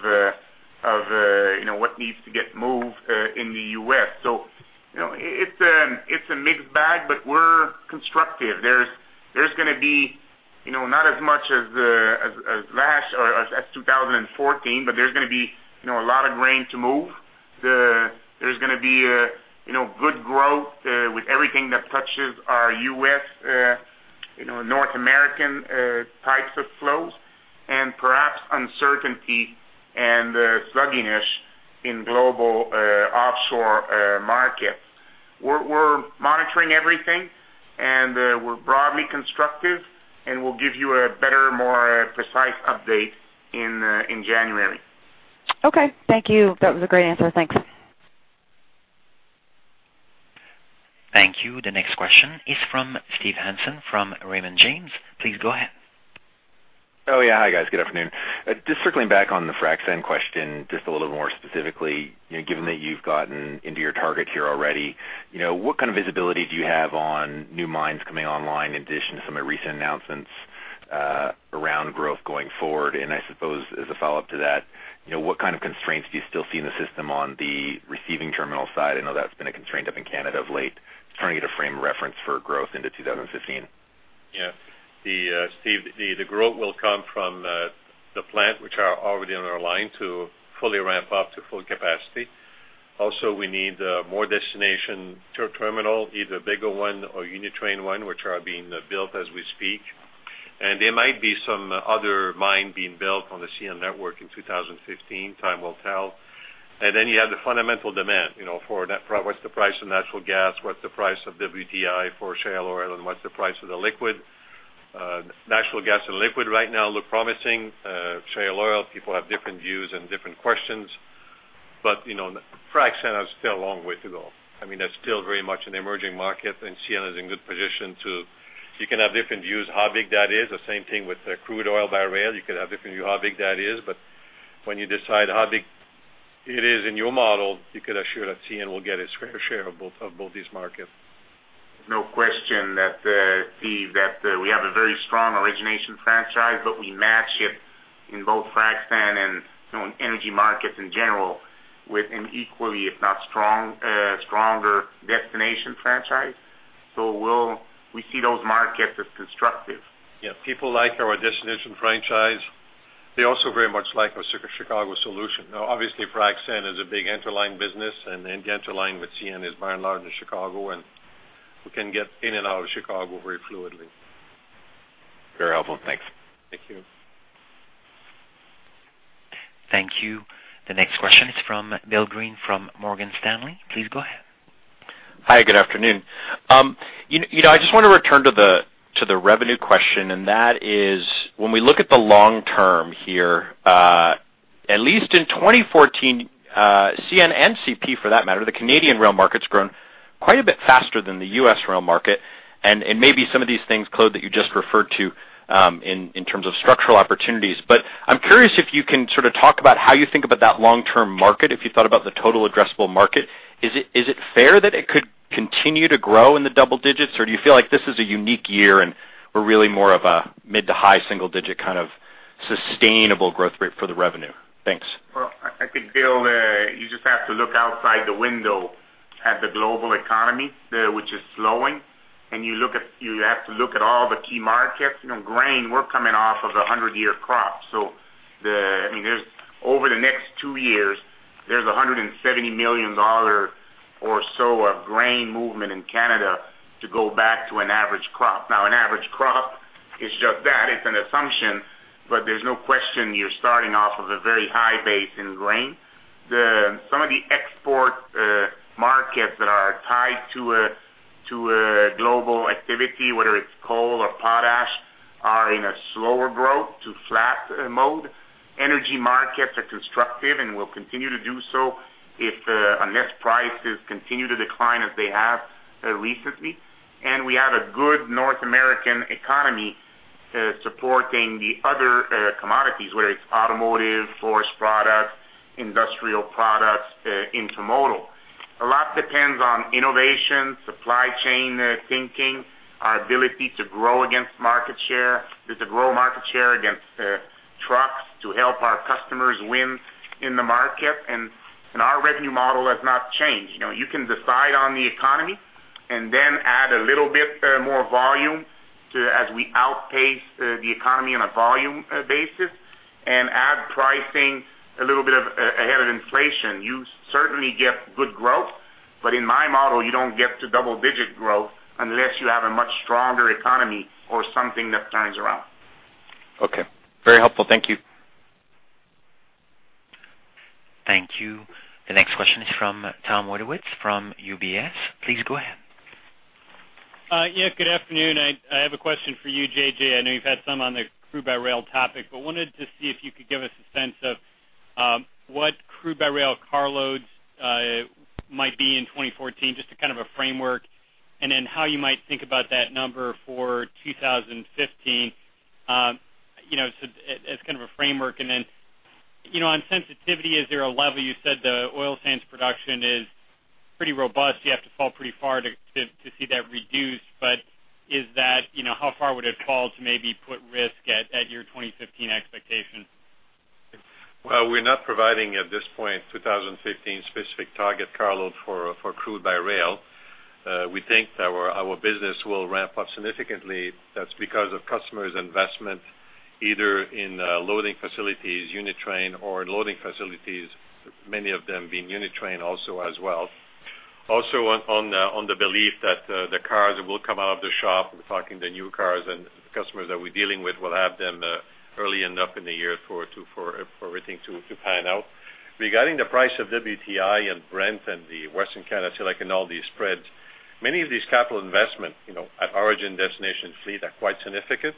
what needs to get moved in the U.S. So it's a mixed bag, but we're constructive. There's going to be not as much as last or as 2014, but there's going to be a lot of grain to move. There's going to be good growth with everything that touches our U.S., North American types of flows, and perhaps uncertainty and sluggish in global offshore markets. We're monitoring everything, and we're broadly constructive, and we'll give you a better, more precise update in January. Okay. Thank you. That was a great answer. Thanks. Thank you. The next question is from Steve Hansen from Raymond James. Please go ahead. Oh yeah. Hi guys. Good afternoon. Just circling back on the frac sand question just a little more specifically, given that you've gotten into your target here already, what kind of visibility do you have on new mines coming online in addition to some of the recent announcements around growth going forward? And I suppose as a follow-up to that, what kind of constraints do you still see in the system on the receiving terminal side? I know that's been a constraint up in Canada of late. Trying to get a frame reference for growth into 2015. Yeah. Steve, the growth will come from the plant, which are already on our line to fully ramp up to full capacity. Also, we need more destination terminal, either a bigger one or unit train one, which are being built as we speak. And there might be some other mine being built on the CN network in 2015. Time will tell. And then you have the fundamental demand for what's the price of natural gas? What's the price of WTI for shale oil? And what's the price of the liquid? Natural gas and liquid right now look promising. Shale oil, people have different views and different questions. But frac sand has still a long way to go. I mean, that's still very much an emerging market, and CN is in good position to you can have different views how big that is. The same thing with crude oil by rail. You could have different views how big that is. But when you decide how big it is in your model, you could assure that CN will get its fair share of both these markets. No question that we have a very strong origination franchise, but we match it in both frac sand and energy markets in general with an equally, if not stronger, destination franchise. So we see those markets as constructive. Yeah. People like our destination franchise. They also very much like our Chicago solution. Now, obviously, frac sand is a big interline business, and the interline with CN is by and large in Chicago, and we can get in and out of Chicago very fluidly. Very helpful. Thanks. Thank you. Thank you. The next question is from Bill Greene from Morgan Stanley. Please go ahead. Hi. Good afternoon. I just want to return to the revenue question, and that is when we look at the long term here, at least in 2014, CN and CP, for that matter, the Canadian rail market's grown quite a bit faster than the U.S. rail market. And maybe some of these things, Claude, that you just referred to in terms of structural opportunities. But I'm curious if you can sort of talk about how you think about that long-term market, if you thought about the total addressable market. Is it fair that it could continue to grow in the double digits, or do you feel like this is a unique year and we're really more of a mid to high single-digit kind of sustainable growth rate for the revenue? Thanks. Well, I think Bill, you just have to look outside the window at the global economy, which is slowing, and you have to look at all the key markets. Grain, we're coming off of a 100-year crop. So I mean, over the next two years, there's $170 million or so of grain movement in Canada to go back to an average crop. Now, an average crop is just that. It's an assumption, but there's no question you're starting off with a very high base in grain. Some of the export markets that are tied to global activity, whether it's coal or potash, are in a slower growth to flat mode. Energy markets are constructive and will continue to do so unless prices continue to decline as they have recently. And we have a good North American economy supporting the other commodities, whether it's automotive, forest products, industrial products, intermodal. A lot depends on innovation, supply chain thinking, our ability to grow against market share, to grow market share against trucks to help our customers win in the market. Our revenue model has not changed. You can decide on the economy and then add a little bit more volume as we outpace the economy on a volume basis and add pricing a little bit ahead of inflation. You certainly get good growth, but in my model, you don't get to double-digit growth unless you have a much stronger economy or something that turns around. Okay. Very helpful. Thank you. Thank you. The next question is from Thomas Wadewitz from UBS. Please go ahead. Yeah. Good afternoon. I have a question for you, J.J. I know you've had some on the crude by rail topic, but wanted to see if you could give us a sense of what crude by rail carloads might be in 2014, just a kind of a framework, and then how you might think about that number for 2015 as kind of a framework. And then on sensitivity, is there a level? You said the oil sands production is pretty robust. You have to fall pretty far to see that reduced, but how far would it fall to maybe put risk at your 2015 expectation? Well, we're not providing at this point 2015 specific target carload for crude by rail. We think our business will ramp up significantly. That's because of customers' investment either in loading facilities, unit train, or loading facilities, many of them being unit train also as well. Also on the belief that the cars that will come out of the shop, we're talking the new cars and customers that we're dealing with, we'll have them early enough in the year for everything to pan out. Regarding the price of WTI and Brent and the Western Canada Silicon and all these spreads, many of these capital investments at origin destination fleet are quite significant.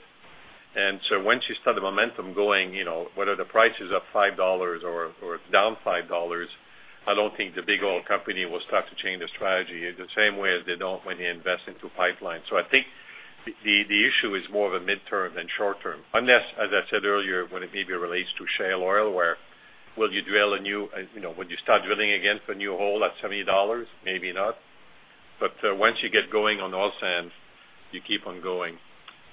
And so once you start the momentum going, whether the price is up $5 or down $5, I don't think the big oil company will start to change their strategy the same way as they don't when they invest into pipelines. So I think the issue is more of a midterm than short-term, unless, as I said earlier, when it maybe relates to shale oil where will you drill a new when you start drilling again for a new hole at $70, maybe not. But once you get going on oil sand, you keep on going.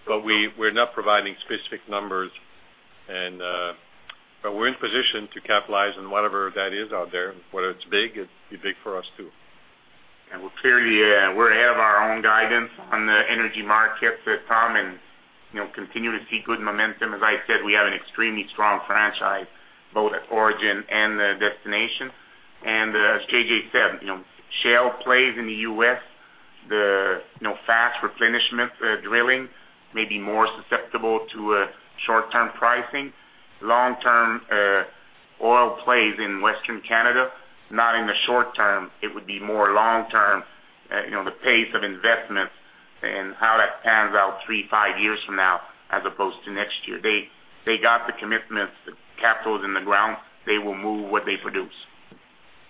But we're not providing specific numbers, but we're in position to capitalize on whatever that is out there. Whether it's big, it'd be big for us too. And we're clearly ahead of our own guidance on the energy markets, Tom, and continue to see good momentum. As I said, we have an extremely strong franchise both at origin and destination. As J.J. said, shale plays in the U.S., the fast replenishment drilling may be more susceptible to short-term pricing. Long-term oil plays in Western Canada, not in the short term. It would be more long-term, the pace of investment and how that pans out 3, 5 years from now as opposed to next year. They got the commitments, the capital is in the ground. They will move what they produce.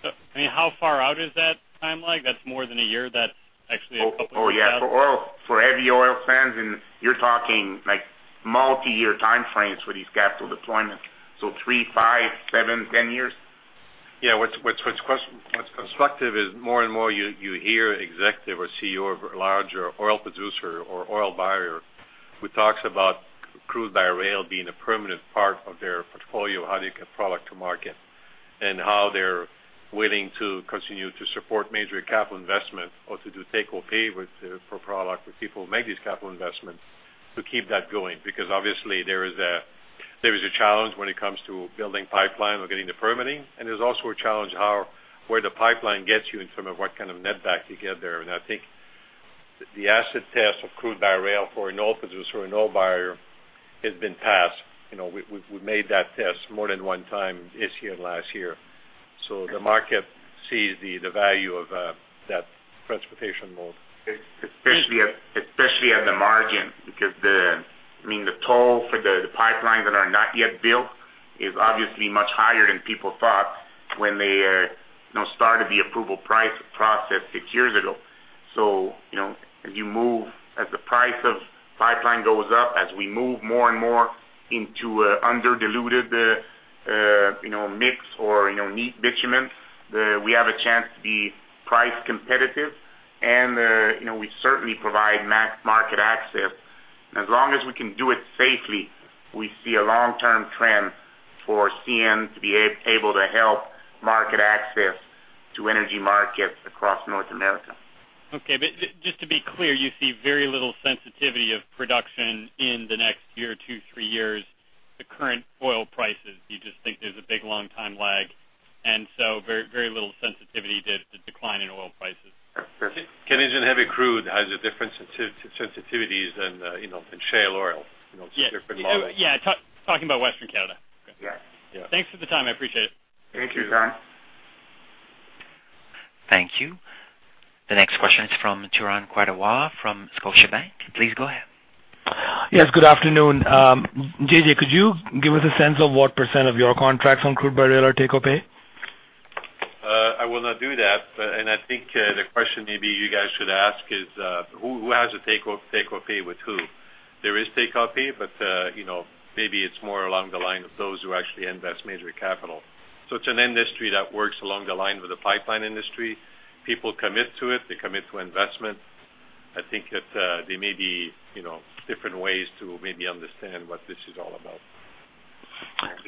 I mean, how far out is that timeline? That's more than a year. That's actually a couple of years back. Oh yeah. For heavy oil sands, you're talking multi-year time frames for these capital deployments. So 3, 5, 7, 10 years? Yeah. What's constructive is more and more you hear executive or CEO of a larger oil producer or oil buyer who talks about crude by rail being a permanent part of their portfolio, how they get product to market, and how they're willing to continue to support major capital investment or to do take or pay for product with people who make these capital investments to keep that going. Because obviously, there is a challenge when it comes to building pipeline or getting the permitting, and there's also a challenge where the pipeline gets you in terms of what kind of net back you get there. And I think the asset test of crude by rail for an oil producer or an oil buyer has been passed. We've made that test more than one time this year and last year. So the market sees the value of that transportation mode. Especially at the margin because I mean, the toll for the pipelines that are not yet built is obviously much higher than people thought when they started the approval price process six years ago. So as you move, as the price of pipeline goes up, as we move more and more into under-diluted mix or neat bitumen, we have a chance to be price competitive, and we certainly provide max market access. And as long as we can do it safely, we see a long-term trend for CN to be able to help market access to energy markets across North America. Okay. Just to be clear, you see very little sensitivity of production in the next year or two, three years, the current oil prices? You just think there's a big long-time lag, and so very little sensitivity to decline in oil prices? Canadian heavy crude has different sensitivities than shale oil. It's a different model. Yeah. Talking about Western Canada. Yeah. Thanks for the time. I appreciate it. Thank you, Tom. Thank you. The next question is from Turan Quettawala from Scotiabank. Please go ahead. Yes. Good afternoon. J.J., could you give us a sense of what % of your contracts on crude by rail are take or pay? I will not do that. I think the question maybe you guys should ask is who has a take or pay with who? There is take or pay, but maybe it's more along the line of those who actually invest major capital. It's an industry that works along the line with the pipeline industry. People commit to it. They commit to investment. I think that there may be different ways to maybe understand what this is all about.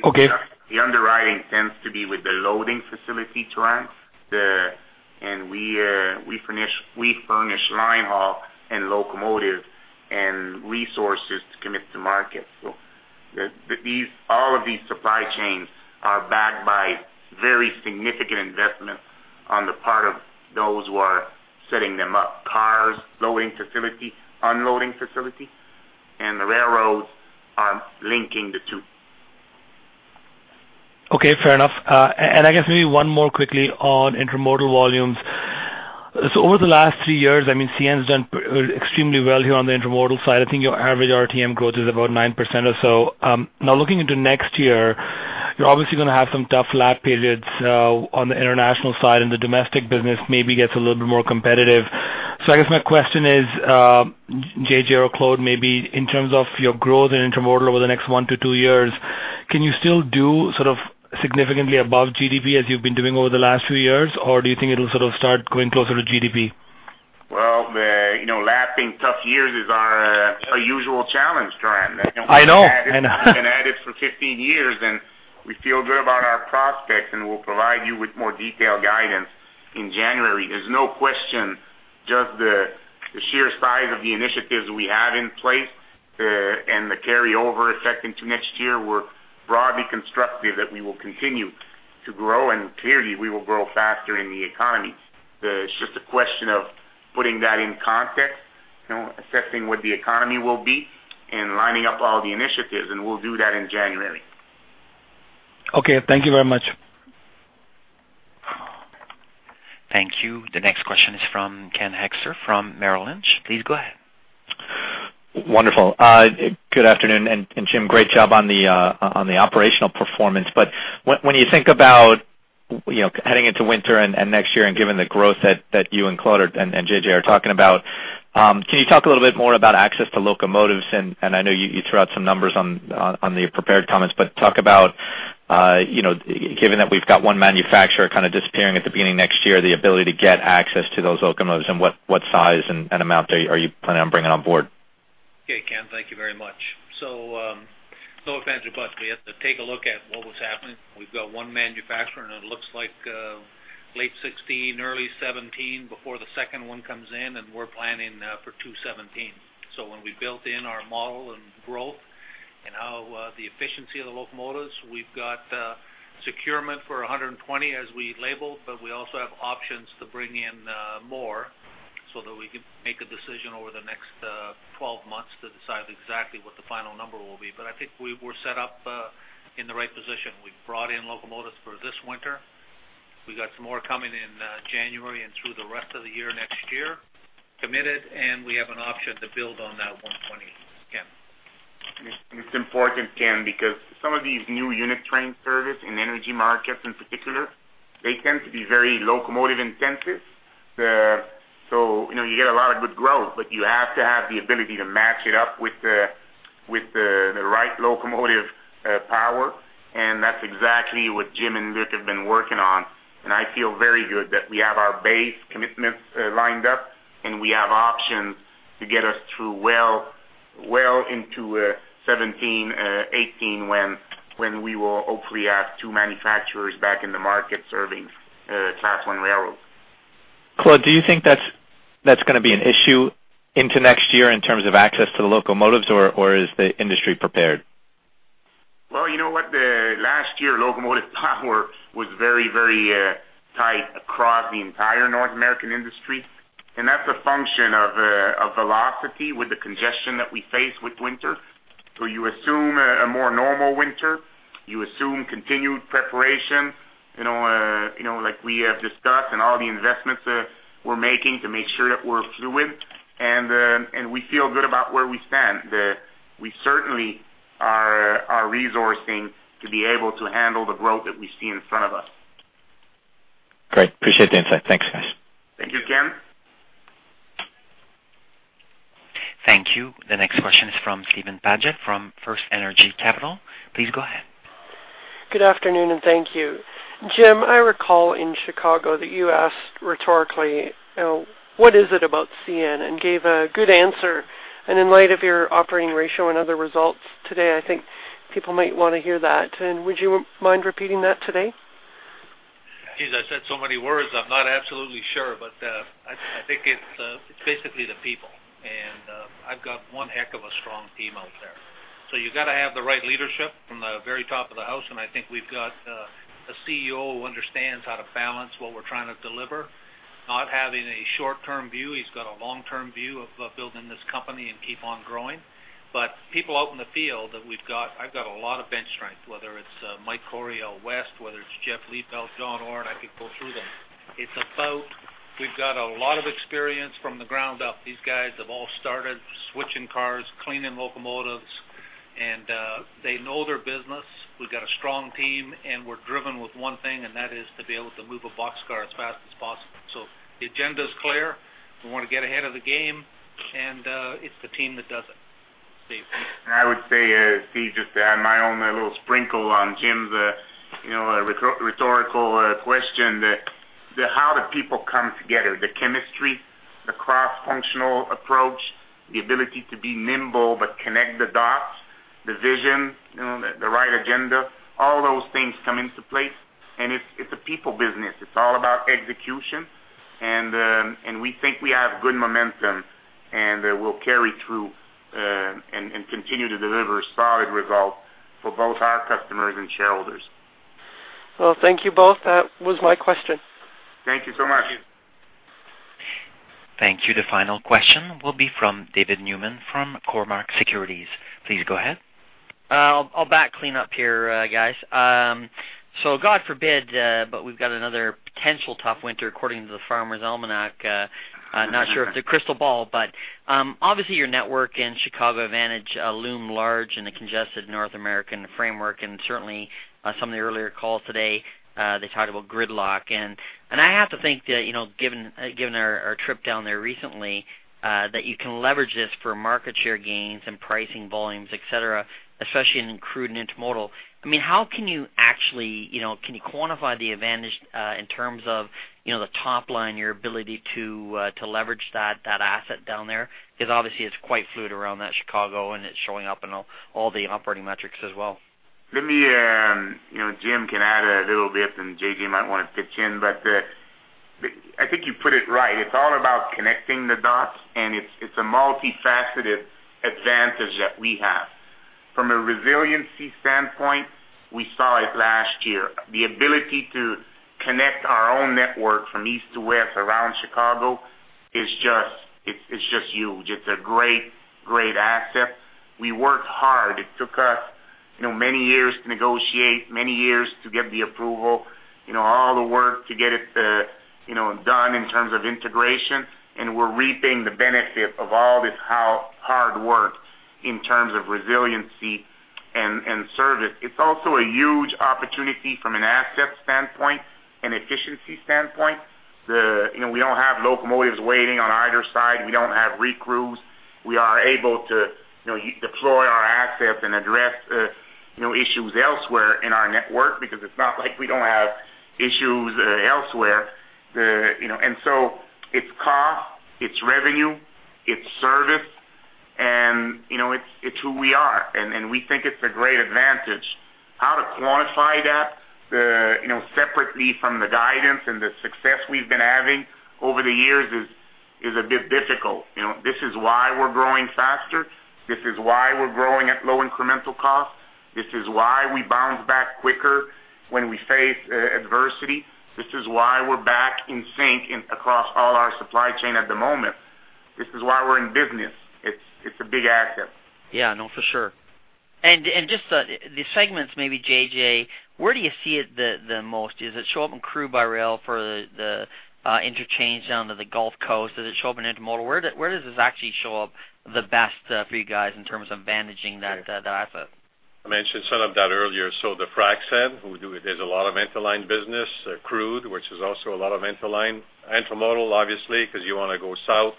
Okay. The underwriting tends to be with the loading facility, Turan, and we furnish linehaul and locomotive and resources to commit to market. So all of these supply chains are backed by very significant investments on the part of those who are setting them up: cars, loading facility, unloading facility, and the railroads are linking the two. Okay. Fair enough. And I guess maybe one more quickly on intermodal volumes. So over the last three years, I mean, CN has done extremely well here on the intermodal side. I think your average RTM growth is about 9% or so. Now, looking into next year, you're obviously going to have some tough lap periods on the international side, and the domestic business maybe gets a little bit more competitive. So I guess my question is, J.J. or Claude, maybe in terms of your growth in intermodal over the next one to two years, can you still do sort of significantly above GDP as you've been doing over the last few years, or do you think it'll sort of start going closer to GDP? Well, lapping tough years is our usual challenge, Turan. I know. I know. We've been at it for 15 years, and we feel good about our prospects, and we'll provide you with more detailed guidance in January. There's no question. Just the sheer size of the initiatives we have in place and the carryover effect into next year, we're broadly constructive that we will continue to grow, and clearly, we will grow faster in the economy. It's just a question of putting that in context, assessing what the economy will be, and lining up all the initiatives, and we'll do that in January. Okay. Thank you very much. Thank you. The next question is from Ken Hoexter from Merrill Lynch. Please go ahead. Wonderful. Good afternoon. And Jim, great job on the operational performance. But when you think about heading into winter and next year and given the growth that you and Claude and J.J. are talking about, can you talk a little bit more about access to locomotives? And I know you threw out some numbers on the prepared comments, but talk about, given that we've got one manufacturer kind of disappearing at the beginning of next year, the ability to get access to those locomotives and what size and amount are you planning on bringing on board? Okay. Ken, thank you very much. So it's always fantastic to take a look at what was happening. We've got one manufacturer, and it looks like late 2016, early 2017 before the second one comes in, and we're planning for 2017. So when we built in our model and growth and how the efficiency of the locomotives, we've got securement for 120 as we labeled, but we also have options to bring in more so that we can make a decision over the next 12 months to decide exactly what the final number will be. But I think we're set up in the right position. We've brought in locomotives for this winter. We got some more coming in January and through the rest of the year next year. Committed, and we have an option to build on that 120, Ken. It's important, Ken, because some of these new unit train service in energy markets in particular, they tend to be very locomotive intensive. So you get a lot of good growth, but you have to have the ability to match it up with the right locomotive power. And that's exactly what Jim and Luc have been working on. And I feel very good that we have our base commitments lined up, and we have options to get us through well into 2017, 2018 when we will hopefully have two manufacturers back in the market serving Class 1 railroads. Claude, do you think that's going to be an issue into next year in terms of access to the locomotives, or is the industry prepared? Well, you know what? Last year, locomotive power was very, very tight across the entire North American industry. That's a function of velocity with the congestion that we face with winter. You assume a more normal winter. You assume continued preparation like we have discussed and all the investments we're making to make sure that we're fluid. We feel good about where we stand. We certainly are resourcing to be able to handle the growth that we see in front of us. Great. Appreciate the insight. Thanks, guys. Thank you, Ken. Thank you. The next question is from Steven Paget from FirstEnergy Capital. Please go ahead. Good afternoon, and thank you. Jim, I recall in Chicago that you asked rhetorically, "What is it about CN?" and gave a good answer. In light of your operating ratio and other results today, I think people might want to hear that. Would you mind repeating that today? Geez, I said so many words. I'm not absolutely sure, but I think it's basically the people. I've got one heck of a strong team out there. So you've got to have the right leadership from the very top of the house. And I think we've got a CEO who understands how to balance what we're trying to deliver, not having a short-term view. He's got a long-term view of building this company and keep on growing. But people out in the field that we've got, I've got a lot of bench strength, whether it's Mike Cory, L. West, whether it's Jeff Liepelt, John Orr. I could go through them. It's about we've got a lot of experience from the ground up. These guys have all started switching cars, cleaning locomotives, and they know their business. We've got a strong team, and we're driven with one thing, and that is to be able to move a boxcar as fast as possible. So the agenda is clear. We want to get ahead of the game, and it's the team that does it. I would say, Steve, just to add my own little sprinkle on Jim's rhetorical question, how do people come together? The chemistry, the cross-functional approach, the ability to be nimble but connect the dots, the vision, the right agenda, all those things come into place. It's a people business. It's all about execution. We think we have good momentum, and we'll carry through and continue to deliver solid results for both our customers and shareholders. Well, thank you both. That was my question. Thank you so much. Thank you. Thank you. The final question will be from David Newman from Cormark Securities. Please go ahead. I'll wrap it up here, guys. So God forbid, but we've got another potential tough winter according to the Farmers' Almanac. Not sure about the crystal ball, but obviously your network in Chicago advantage loomed large in the congested North American framework. And certainly, some of the earlier calls today, they talked about gridlock. And I have to think that given our trip down there recently, that you can leverage this for market share gains and pricing volumes, etc., especially in crude and intermodal. I mean, how can you actually quantify the advantage in terms of the top line, your ability to leverage that asset down there? Because obviously, it's quite fluid around that Chicago, and it's showing up in all the operating metrics as well. Let me, Jim, can add a little bit, and J.J. might want to pitch in, but I think you put it right. It's all about connecting the dots, and it's a multifaceted advantage that we have. From a resiliency standpoint, we saw it last year. The ability to connect our own network from east to west around Chicago is just huge. It's a great, great asset. We worked hard. It took us many years to negotiate, many years to get the approval, all the work to get it done in terms of integration. And we're reaping the benefit of all this hard work in terms of resiliency and service. It's also a huge opportunity from an asset standpoint and efficiency standpoint. We don't have locomotives waiting on either side. We don't have recrews. We are able to deploy our assets and address issues elsewhere in our network because it's not like we don't have issues elsewhere. And so it's cost, it's revenue, it's service, and it's who we are. And we think it's a great advantage. How to quantify that separately from the guidance and the success we've been having over the years is a bit difficult. This is why we're growing faster. This is why we're growing at low incremental cost. This is why we bounce back quicker when we face adversity. This is why we're back in sync across all our supply chain at the moment. This is why we're in business. It's a big asset. Yeah. No, for sure. Just the segments, maybe, J.J., where do you see it the most? Does it show up in crude by rail for the interchange down to the Gulf Coast? Does it show up in intermodal? Where does this actually show up the best for you guys in terms of vantaging that asset? I mentioned some of that earlier. So the frac sand, there's a lot of interline business, crude, which is also a lot of interline, intermodal, obviously, because you want to go south,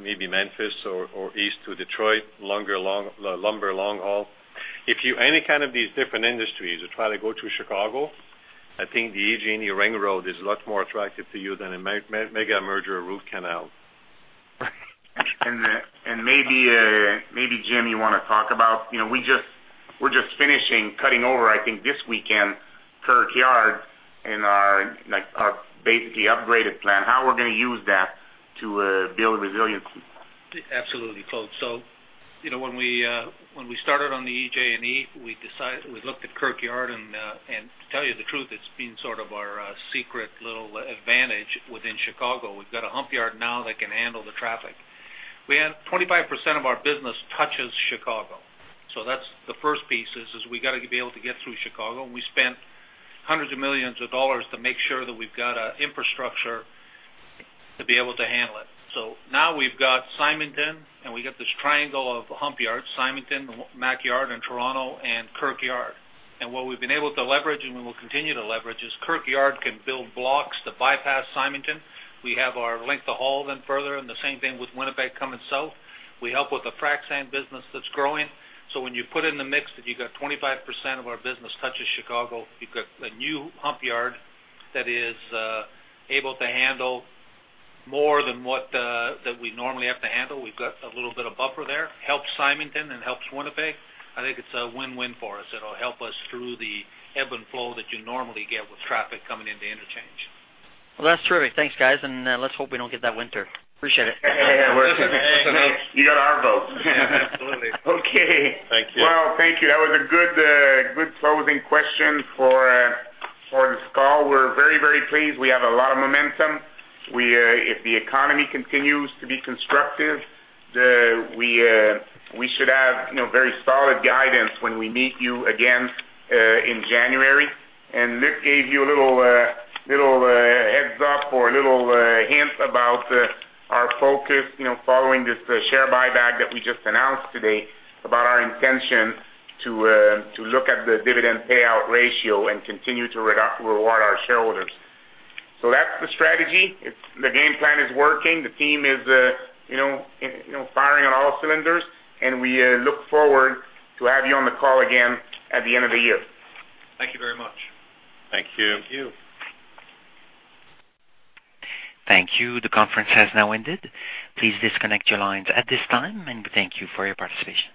maybe Memphis or east to Detroit, lumber long haul. If any kind of these different industries are trying to go to Chicago, I think the EJ&E Ring Road is a lot more attractive to you than a mega merger root canal. Right. Maybe, Jim, you want to talk about we're just finishing cutting over, I think, this weekend, Kirk Yard, in our basically upgraded plan, how we're going to use that to build resiliency. Absolutely, Claude. So when we started on the EJ&E, we looked at Kirk Yard. And to tell you the truth, it's been sort of our secret little advantage within Chicago. We've got a hump yard now that can handle the traffic. We have 25% of our business touches Chicago. So that's the first piece is we got to be able to get through Chicago. And we spent hundreds of millions dollars to make sure that we've got infrastructure to be able to handle it. So now we've got Syminton, and we got this triangle of hump yards: Syminton, Mac Yard, and Toronto, and Kirk Yard. And what we've been able to leverage, and we will continue to leverage, is Kirk Yard can build blocks to bypass Syminton. We have our length of haul then further, and the same thing with Winnipeg coming south. We help with the frac sand business that's growing. So when you put in the mix that you got 25% of our business touches Chicago, you've got a new hump yard that is able to handle more than what we normally have to handle. We've got a little bit of buffer there. Helps Symington and helps Winnipeg. I think it's a win-win for us. It'll help us through the ebb and flow that you normally get with traffic coming into interchange. Well, that's terrific. Thanks, guys. And let's hope we don't get that winter. Appreciate it. Yeah. We're excited. You got our vote. Absolutely. Okay. Thank you. Well, thank you. That was a good closing question for this call. We're very, very pleased. We have a lot of momentum. If the economy continues to be constructive, we should have very solid guidance when we meet you again in January. And Luc gave you a little heads-up or a little hint about our focus following this share buyback that we just announced today about our intention to look at the dividend payout ratio and continue to reward our shareholders. So that's the strategy. The game plan is working. The team is firing on all cylinders. And we look forward to have you on the call again at the end of the year. Thank you very much. Thank you. Thank you. Thank you. The conference has now ended. Please disconnect your lines at this time, and we thank you for your participation.